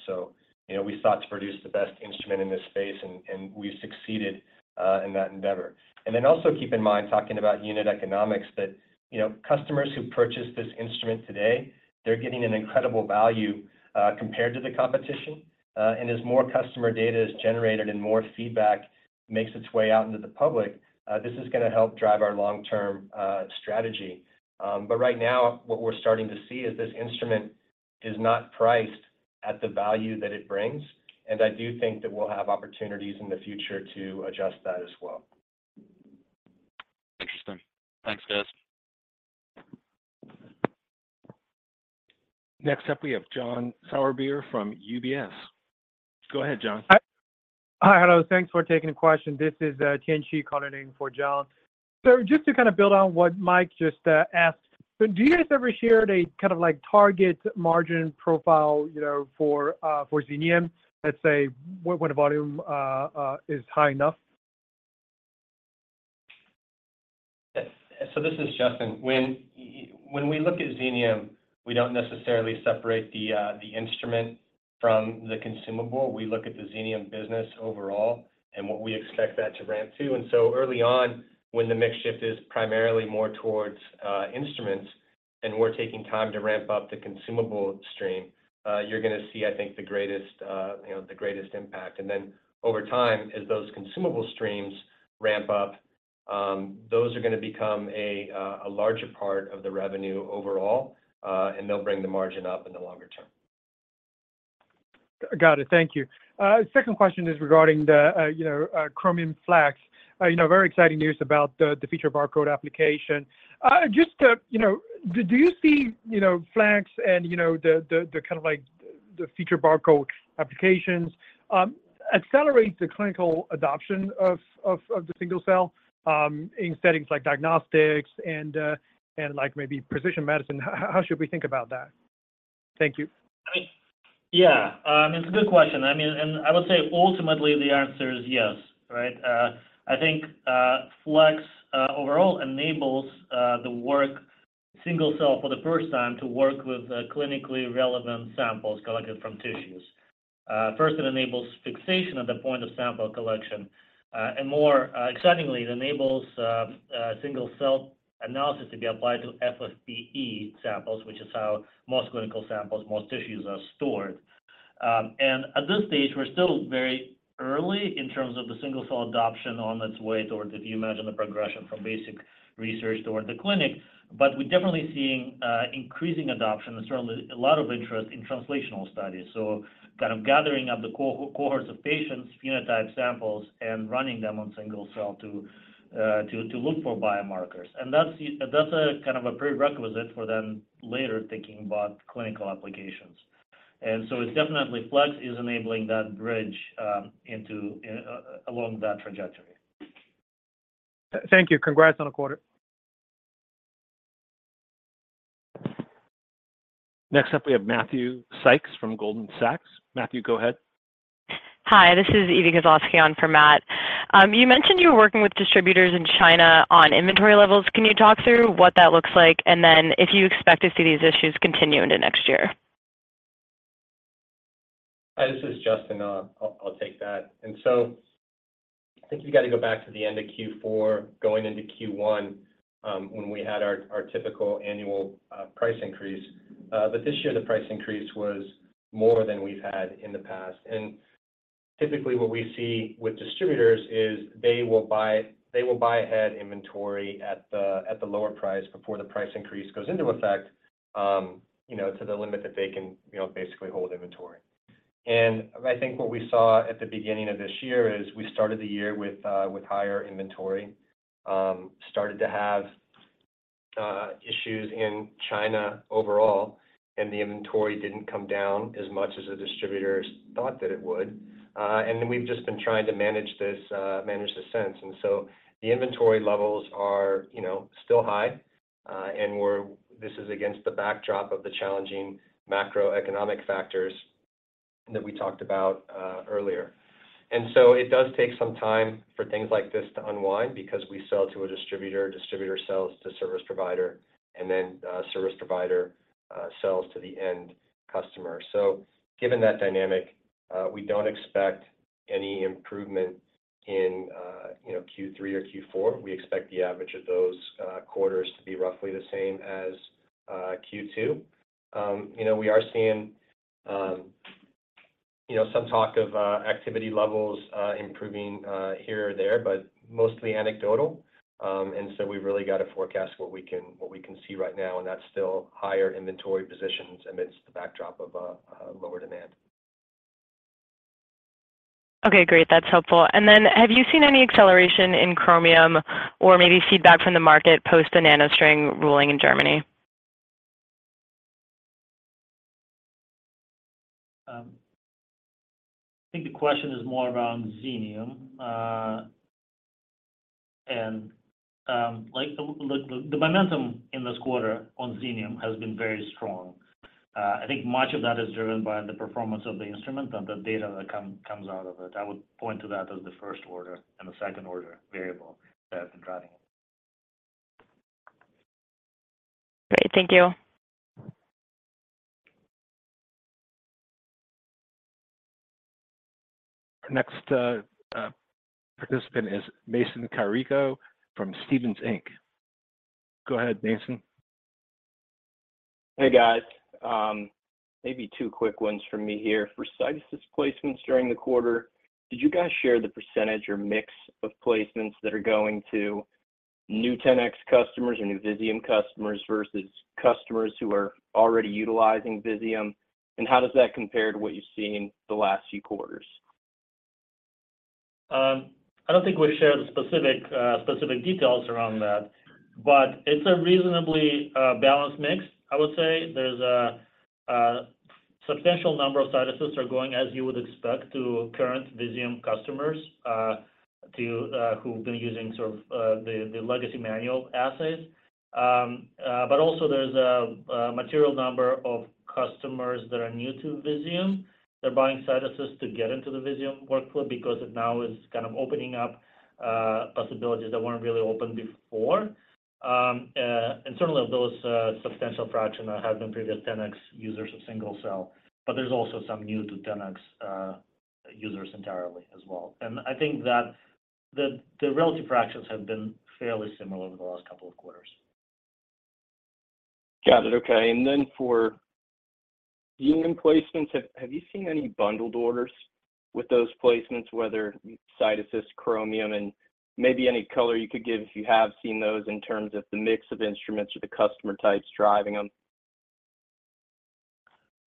You know, we sought to produce the best instrument in this space, and, and we've succeeded in that endeavor. Also keep in mind, talking about unit economics, that, you know, customers who purchase this instrument today, they're getting an incredible value compared to the competition. As more customer data is generated and more feedback makes its way out into the public, this is gonna help drive our long-term strategy. Right now, what we're starting to see is this instrument is not priced at the value that it brings, and I do think that we'll have opportunities in the future to adjust that as well. Interesting. Thanks, guys. Next up, we have John Sourbeer from UBS. Go ahead, John. Hi. Hi, hello, thanks for taking the question. This is Tianxi calling in for John. Just to kind of build on what Mike just asked, do you guys ever share a kind of like target margin profile, you know, for Xenium, let's say, when, when the volume is high enough? Yes. This is Justin. When we look at Xenium, we don't necessarily separate the instrument from the consumable. We look at the Xenium business overall and what we expect that to ramp to. Early on, when the mix shift is primarily more towards instruments, and we're taking time to ramp up the consumable stream, you're gonna see, I think, the greatest, you know, the greatest impact. Over time, as those consumable streams ramp up, those are gonna become a larger part of the revenue overall, and they'll bring the margin up in the longer term. Got it. Thank you. Second question is regarding the, you know, Chromium Flex. You know, very exciting news about the feature barcode application. Do you see, you know, Flex and, you know, the kind of like the feature barcode applications accelerate the clinical adoption of the single cell in settings like diagnostics and like maybe precision medicine? How should we think about that? Thank you. Yeah, it's a good question. I mean, I would say ultimately the answer is yes, right? I think Flex overall enables the work single cell for the first time to work with clinically relevant samples collected from tissues. First, it enables fixation at the point of sample collection, and more excitingly, it enables single-cell analysis to be applied to FFPE samples, which is how most clinical samples, most tissues are stored. And at this stage, we're still very early in terms of the single-cell adoption on its way toward, if you imagine the progression from basic research toward the clinic. We're definitely seeing increasing adoption and certainly a lot of interest in translational studies. So kind of gathering up the cohorts of patients, phenotype samples, and running them on single cell to, to, to look for biomarkers. That's the, that's a kind of a prerequisite for them later thinking about clinical applications. So it's definitely Flex is enabling that bridge into, in, along that trajectory. Thank you. Congrats on the quarter. Next up, we have Matthew Sykes from Goldman Sachs. Matthew, go ahead. Hi, this is Eve Kosofsky on for Matt. You mentioned you were working with distributors in China on inventory levels. Can you talk through what that looks like, and then if you expect to see these issues continue into next year? Hi, this is Justin. I'll, I'll take that. I think you got to go back to the end of Q4, going into Q1, when we had our, our typical annual price increase. This year the price increase was more than we've had in the past. Typically, what we see with distributors is they will buy, they will buy ahead inventory at the, at the lower price before the price increase goes into effect, you know, to the limit that they can, you know, basically hold inventory. What we saw at the beginning of this year is we started the year with, with higher inventory, started to have issues in China overall, and the inventory didn't come down as much as the distributors thought that it would. We've just been trying to manage this, manage this since. The inventory levels are, you know, still high, and this is against the backdrop of the challenging macroeconomic factors that we talked about, earlier. It does take some time for things like this to unwind because we sell to a distributor, distributor sells to service provider, and then, service provider, sells to the end customer. Given that dynamic, we don't expect any improvement in, you know, Q3 or Q4. We expect the average of those, quarters to be roughly the same as, Q2. You know, we are seeing, you know, some talk of, activity levels, improving, here or there, but mostly anecdotal. We've really got to forecast what we can, what we can see right now, and that's still higher inventory positions amidst the backdrop of lower demand. Okay, great. That's helpful. Have you seen any acceleration in Chromium or maybe feedback from the market post the NanoString ruling in Germany? I think the question is more around Xenium. Like, the, the, the momentum in this quarter on Xenium has been very strong. I think much of that is driven by the performance of the instrument and the data that come, comes out of it. I would point to that as the first order and the second-order variable that have been driving it. Great. Thank you. Next, participant is Mason Carrico from Stephens Inc. Go ahead, Mason. Hey, guys. maybe two quick ones from me here. For Cytois placements during the quarter, did you guys share the percentage or mix of placements that are going to new 10x customers or new Visium customers versus customers who are already utilizing Visium? How does that compare to what you've seen in the last few quarters? I don't think we shared the specific, specific details around that, but it's a reasonably, balanced mix, I would say. There's a substantial number of CytAssist are going, as you would expect, to current Visium customers, to who've been using sort of, the legacy manual assays. but also there's a material number of customers that are new to Visium. They're buying CytAssist to get into the Visium workflow because it now is kind of opening up, possibilities that weren't really open before. Certainly of those, substantial fraction have been previous 10x users of single cell, but there's also some new to 10x users entirely as well. I think that the, the relative fractions have been fairly similar over the last couple of quarters. Got it. Okay. Then for Xenium placements, have you seen any bundled orders with those placements, whether CytoCis, Chromium, and maybe any color you could give if you have seen those in terms of the mix of instruments or the customer types driving them?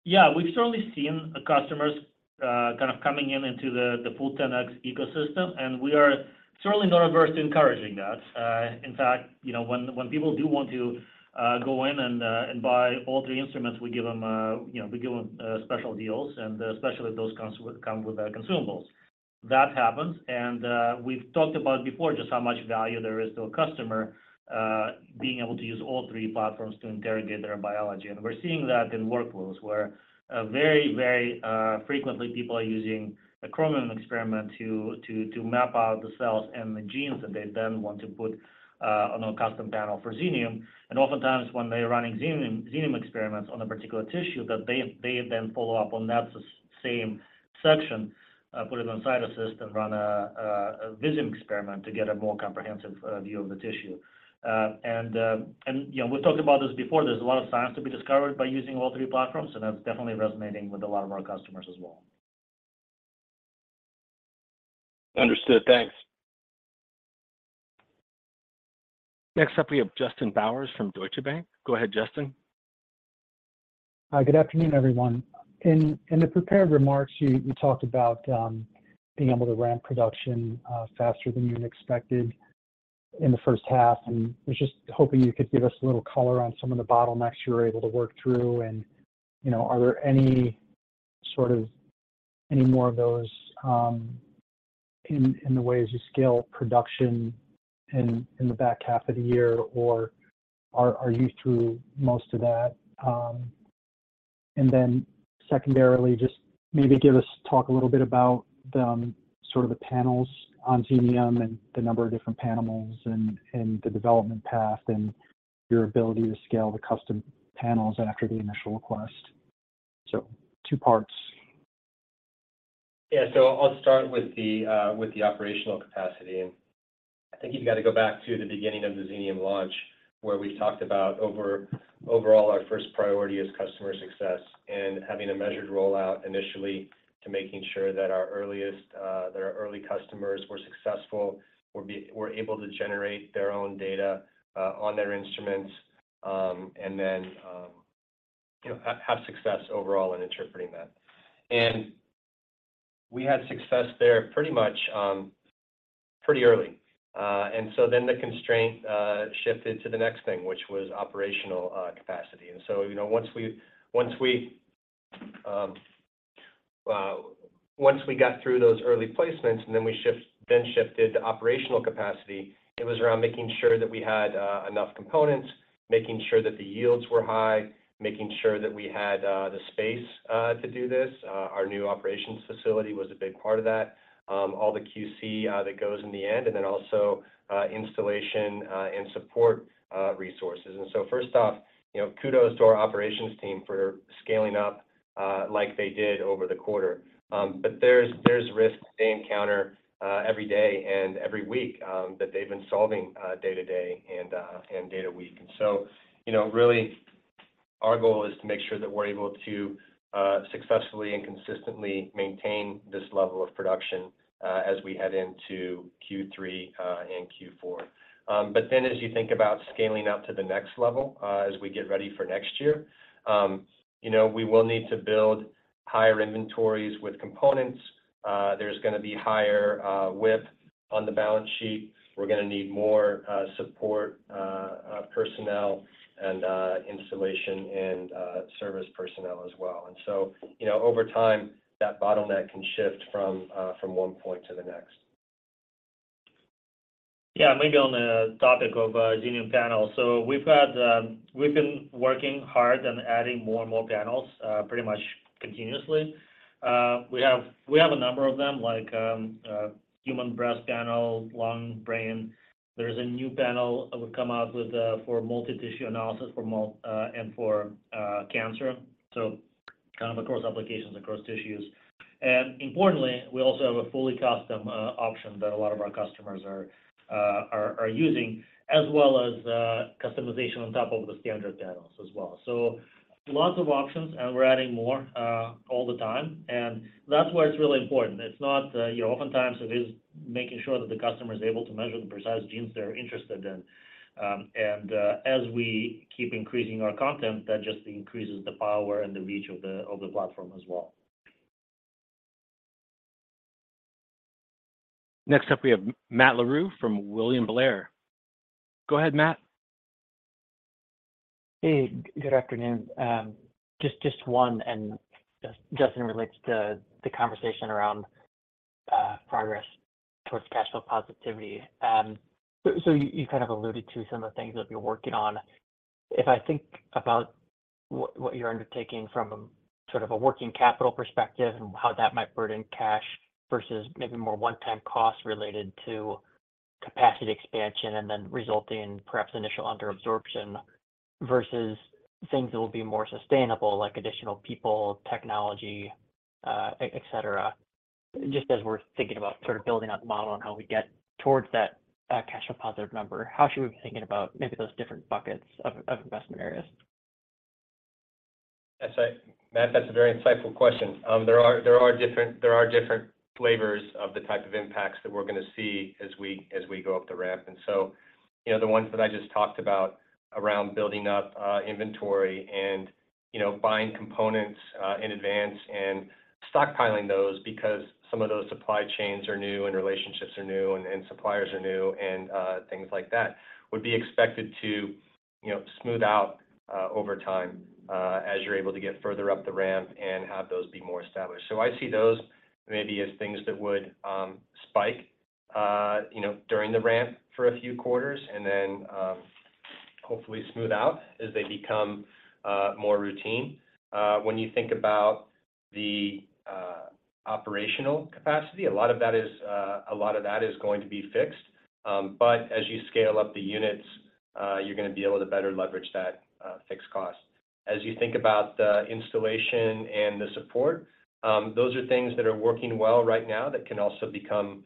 Yeah, we've certainly seen the customers, kind of coming in into the, the full 10x ecosystem. We are certainly not averse to encouraging that. In fact, you know, when, when people do want to go in and buy all three instruments, we give them, you know, we give them special deals, especially if those comes with come with the consumables. That happens. We've talked about before just how much value there is to a customer being able to use all 3 platforms to interrogate their biology. We're seeing that in workflows where very, very frequently people are using a Chromium experiment to to to map out the cells and the genes that they then want to put on a custom panel for Xenium. Oftentimes, when they're running Xenium, Xenium experiments on a particular tissue, that they, they then follow up on that same section, put it on Cytassist, and run a Visium experiment to get a more comprehensive, view of the tissue. You know, we've talked about this before, there's a lot of science to be discovered by using all three platforms, and that's definitely resonating with a lot of our customers as well. Understood. Thanks. Next up, we have Justin Bowers from Deutsche Bank. Go ahead, Justin. Hi, good afternoon, everyone. In the prepared remarks, you talked about being able to ramp production faster than you had expected in the first half. I was just hoping you could give us a little color on some of the bottlenecks you were able to work through. You know, are there any sort of any more of those in the ways you scale production in the back half of the year, or are you through most of that? Secondarily, just maybe give us, talk a little bit about the sort of the panels on Xenium and the number of different panels and the development path, and your ability to scale the custom panels after the initial request. Two parts. Yeah. I'll start with the with the operational capacity. I think you've got to go back to the beginning of the Xenium launch, where we talked about overall, our first priority is customer success and having a measured rollout initially to making sure that our earliest, that our early customers were successful, were able to generate their own data on their instruments, and then, you know, have success overall in interpreting that. We had success there pretty much pretty early. So then the constraint shifted to the next thing, which was operational capacity. You know, once we, once we, once we got through those early placements, and then we then shifted to operational capacity, it was around making sure that we had enough components, making sure that the yields were high, making sure that we had the space to do this. Our new operations facility was a big part of that. All the QC that goes in the end, and then also, installation and support resources. First off, you know, kudos to our operations team for scaling up like they did over the quarter. But there's, there's risks they encounter every day and every week that they've been solving day to day and and day to week. You know, really, our goal is to make sure that we're able to successfully and consistently maintain this level of production as we head into Q3 and Q4. As you think about scaling up to the next level, as we get ready for next year, you know, we will need to build higher inventories with components. There's gonna be higher width on the balance sheet. We're gonna need more support personnel and installation and service personnel as well. You know, over time, that bottleneck can shift from from one point to the next. Yeah, maybe on the topic of Xenium panel. We've had... We've been working hard and adding more and more panels pretty much continuously. We have, we have a number of them, like human breast panel, lung, brain. There's a new panel that we've come out with for multi-tissue analysis, for multi, and for cancer. Kind of across applications, across tissues. Importantly, we also have a fully custom option that a lot of our customers are, are, are using, as well as customization on top of the standard panels as well. Lots of options, and we're adding more all the time, and that's why it's really important. It's not, you know, oftentimes, it is making sure that the customer is able to measure the precise genes they're interested in. As we keep increasing our content, that just increases the power and the reach of the platform as well. Next up, we have Matt LaRue from William Blair. Go ahead, Matt. Hey, good afternoon. Just, just one, Just-Justin, relates to the conversation around progress towards cash flow positivity. So you kind of alluded to some of the things that you're working on. If I think about what, what you're undertaking from sort of a working capital perspective and how that might burden cash versus maybe more one-time costs related to capacity expansion, and then resulting in perhaps initial underabsorption, versus things that will be more sustainable, like additional people, technology, et cetera. Just as we're thinking about sort of building out the model on how we get towards that cash flow positive number, how should we be thinking about maybe those different buckets of, of investment areas? That's Matt, that's a very insightful question. There are, there are different, there are different flavors of the type of impacts that we're gonna see as we, as we go up the ramp. You know, the ones that I just talked about around building up inventory and, you know, buying components in advance and stockpiling those because some of those supply chains are new, and relationships are new, and, and suppliers are new, and things like that, would be expected to, you know, smooth out over time as you're able to get further up the ramp and have those be more established. I see those maybe as things that would spike, you know, during the ramp for a few quarters, and then, hopefully, smooth out as they become more routine. When you think about the operational capacity, a lot of that is a lot of that is going to be fixed. As you scale up the units, you're gonna be able to better leverage that fixed cost. As you think about the installation and the support, those are things that are working well right now, that can also become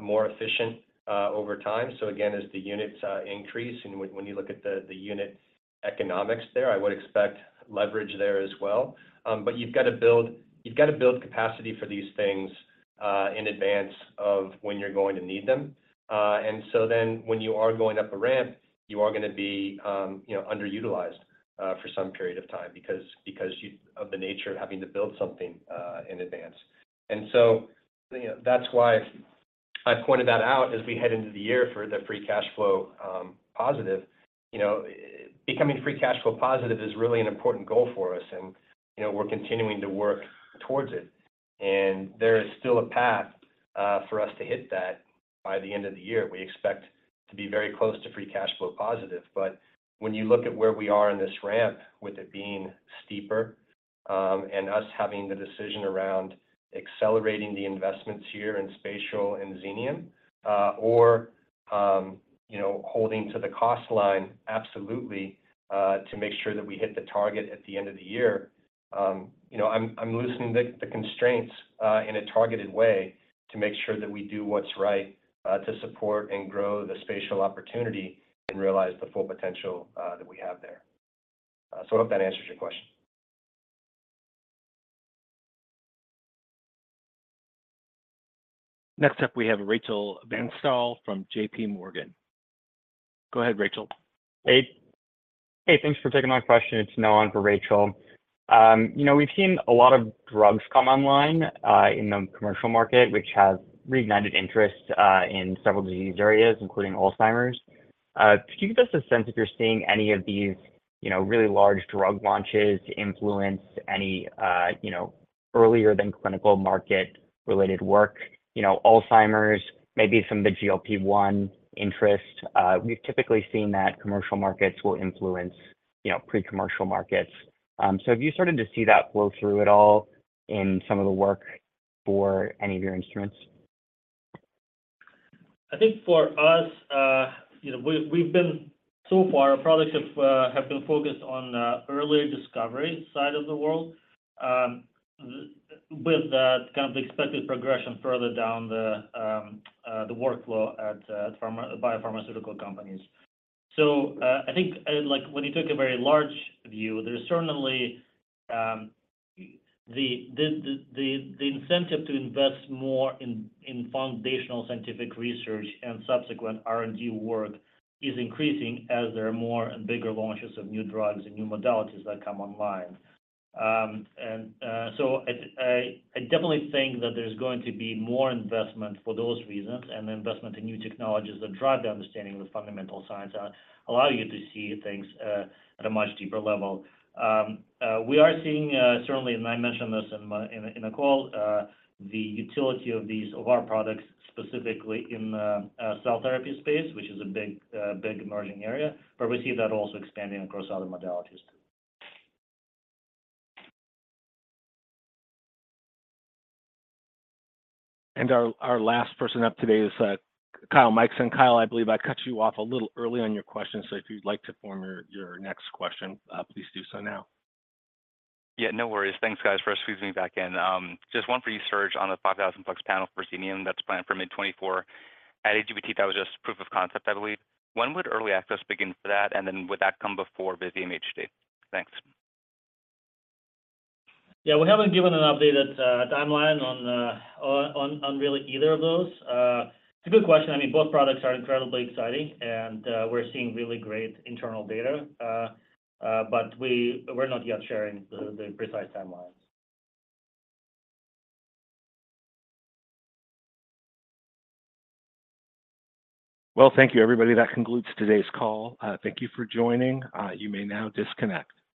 more efficient over time. Again, as the units increase and when, when you look at the unit economics there, I would expect leverage there as well. You've got to build, you've got to build capacity for these things-..., in advance of when you're going to need them. Then when you are going up a ramp, you are gonna be, you know, underutilized for some period of time because of the nature of having to build something in advance. You know, that's why I pointed that out as we head into the year for the free cash flow positive. You know, becoming free cash flow positive is really an important goal for us, and, you know, we're continuing to work towards it. There is still a path for us to hit that by the end of the year. We expect to be very close to free cash flow positive. When you look at where we are in this ramp, with it being steeper, and us having the decision around accelerating the investments here in spatial and Xenium, or, you know, holding to the cost line, absolutely, to make sure that we hit the target at the end of the year. You know, I'm loosening the constraints in a targeted way to make sure that we do what's right, to support and grow the spatial opportunity and realize the full potential that we have there. I hope that answers your question. Next up, we have Rachel Vatnsdal from JP Morgan. Go ahead, Rachel. Hey. Hey, thanks for taking my question. It's Noah for Rachel. You know, we've seen a lot of drugs come online in the commercial market, which has reignited interest in several disease areas, including Alzheimer's. Could you give us a sense if you're seeing any of these, you know, really large drug launches influence any, you know, earlier than clinical market-related work? You know, Alzheimer's, maybe some of the GLP-1 interest. We've typically seen that commercial markets will influence, you know, pre-commercial markets. Have you started to see that flow through at all in some of the work for any of your instruments? I think for us, you know, we've, we've been so far, our products have been focused on early discovery side of the world, with the kind of the expected progression further down the workflow at biopharmaceutical companies. I think, like, when you take a very large view, there's certainly the, the, the, the incentive to invest more in foundational scientific research and subsequent R&D work is increasing as there are more and bigger launches of new drugs and new modalities that come online. I, I, I definitely think that there's going to be more investment for those reasons, and investment in new technologies that drive the understanding of the fundamental science are allow you to see things at a much deeper level. We are seeing, certainly, and I mentioned this in my, in the, in the call, the utility of these, of our products, specifically in the, cell therapy space, which is a big, big emerging area, but we see that also expanding across other modalities. Our, our last person up today is Kyle Mikson. Kyle, I believe I cut you off a little early on your question, so if you'd like to form your, your next question, please do so now. Yeah, no worries. Thanks, guys, for squeezing me back in. Just one for you, Serge, on the 5,000 Plex panel for Xenium that's planned for mid 2024. At AGBT, that was just proof of concept, I believe. When would early access begin for that, and then would that come before Visium HD? Thanks. Yeah, we haven't given an updated, timeline on, on, on, on really either of those. It's a good question. I mean, both products are incredibly exciting, and, we're seeing really great internal data. We're not yet sharing the, the precise timelines. Well, thank you, everybody. That concludes today's call. Thank you for joining. You may now disconnect.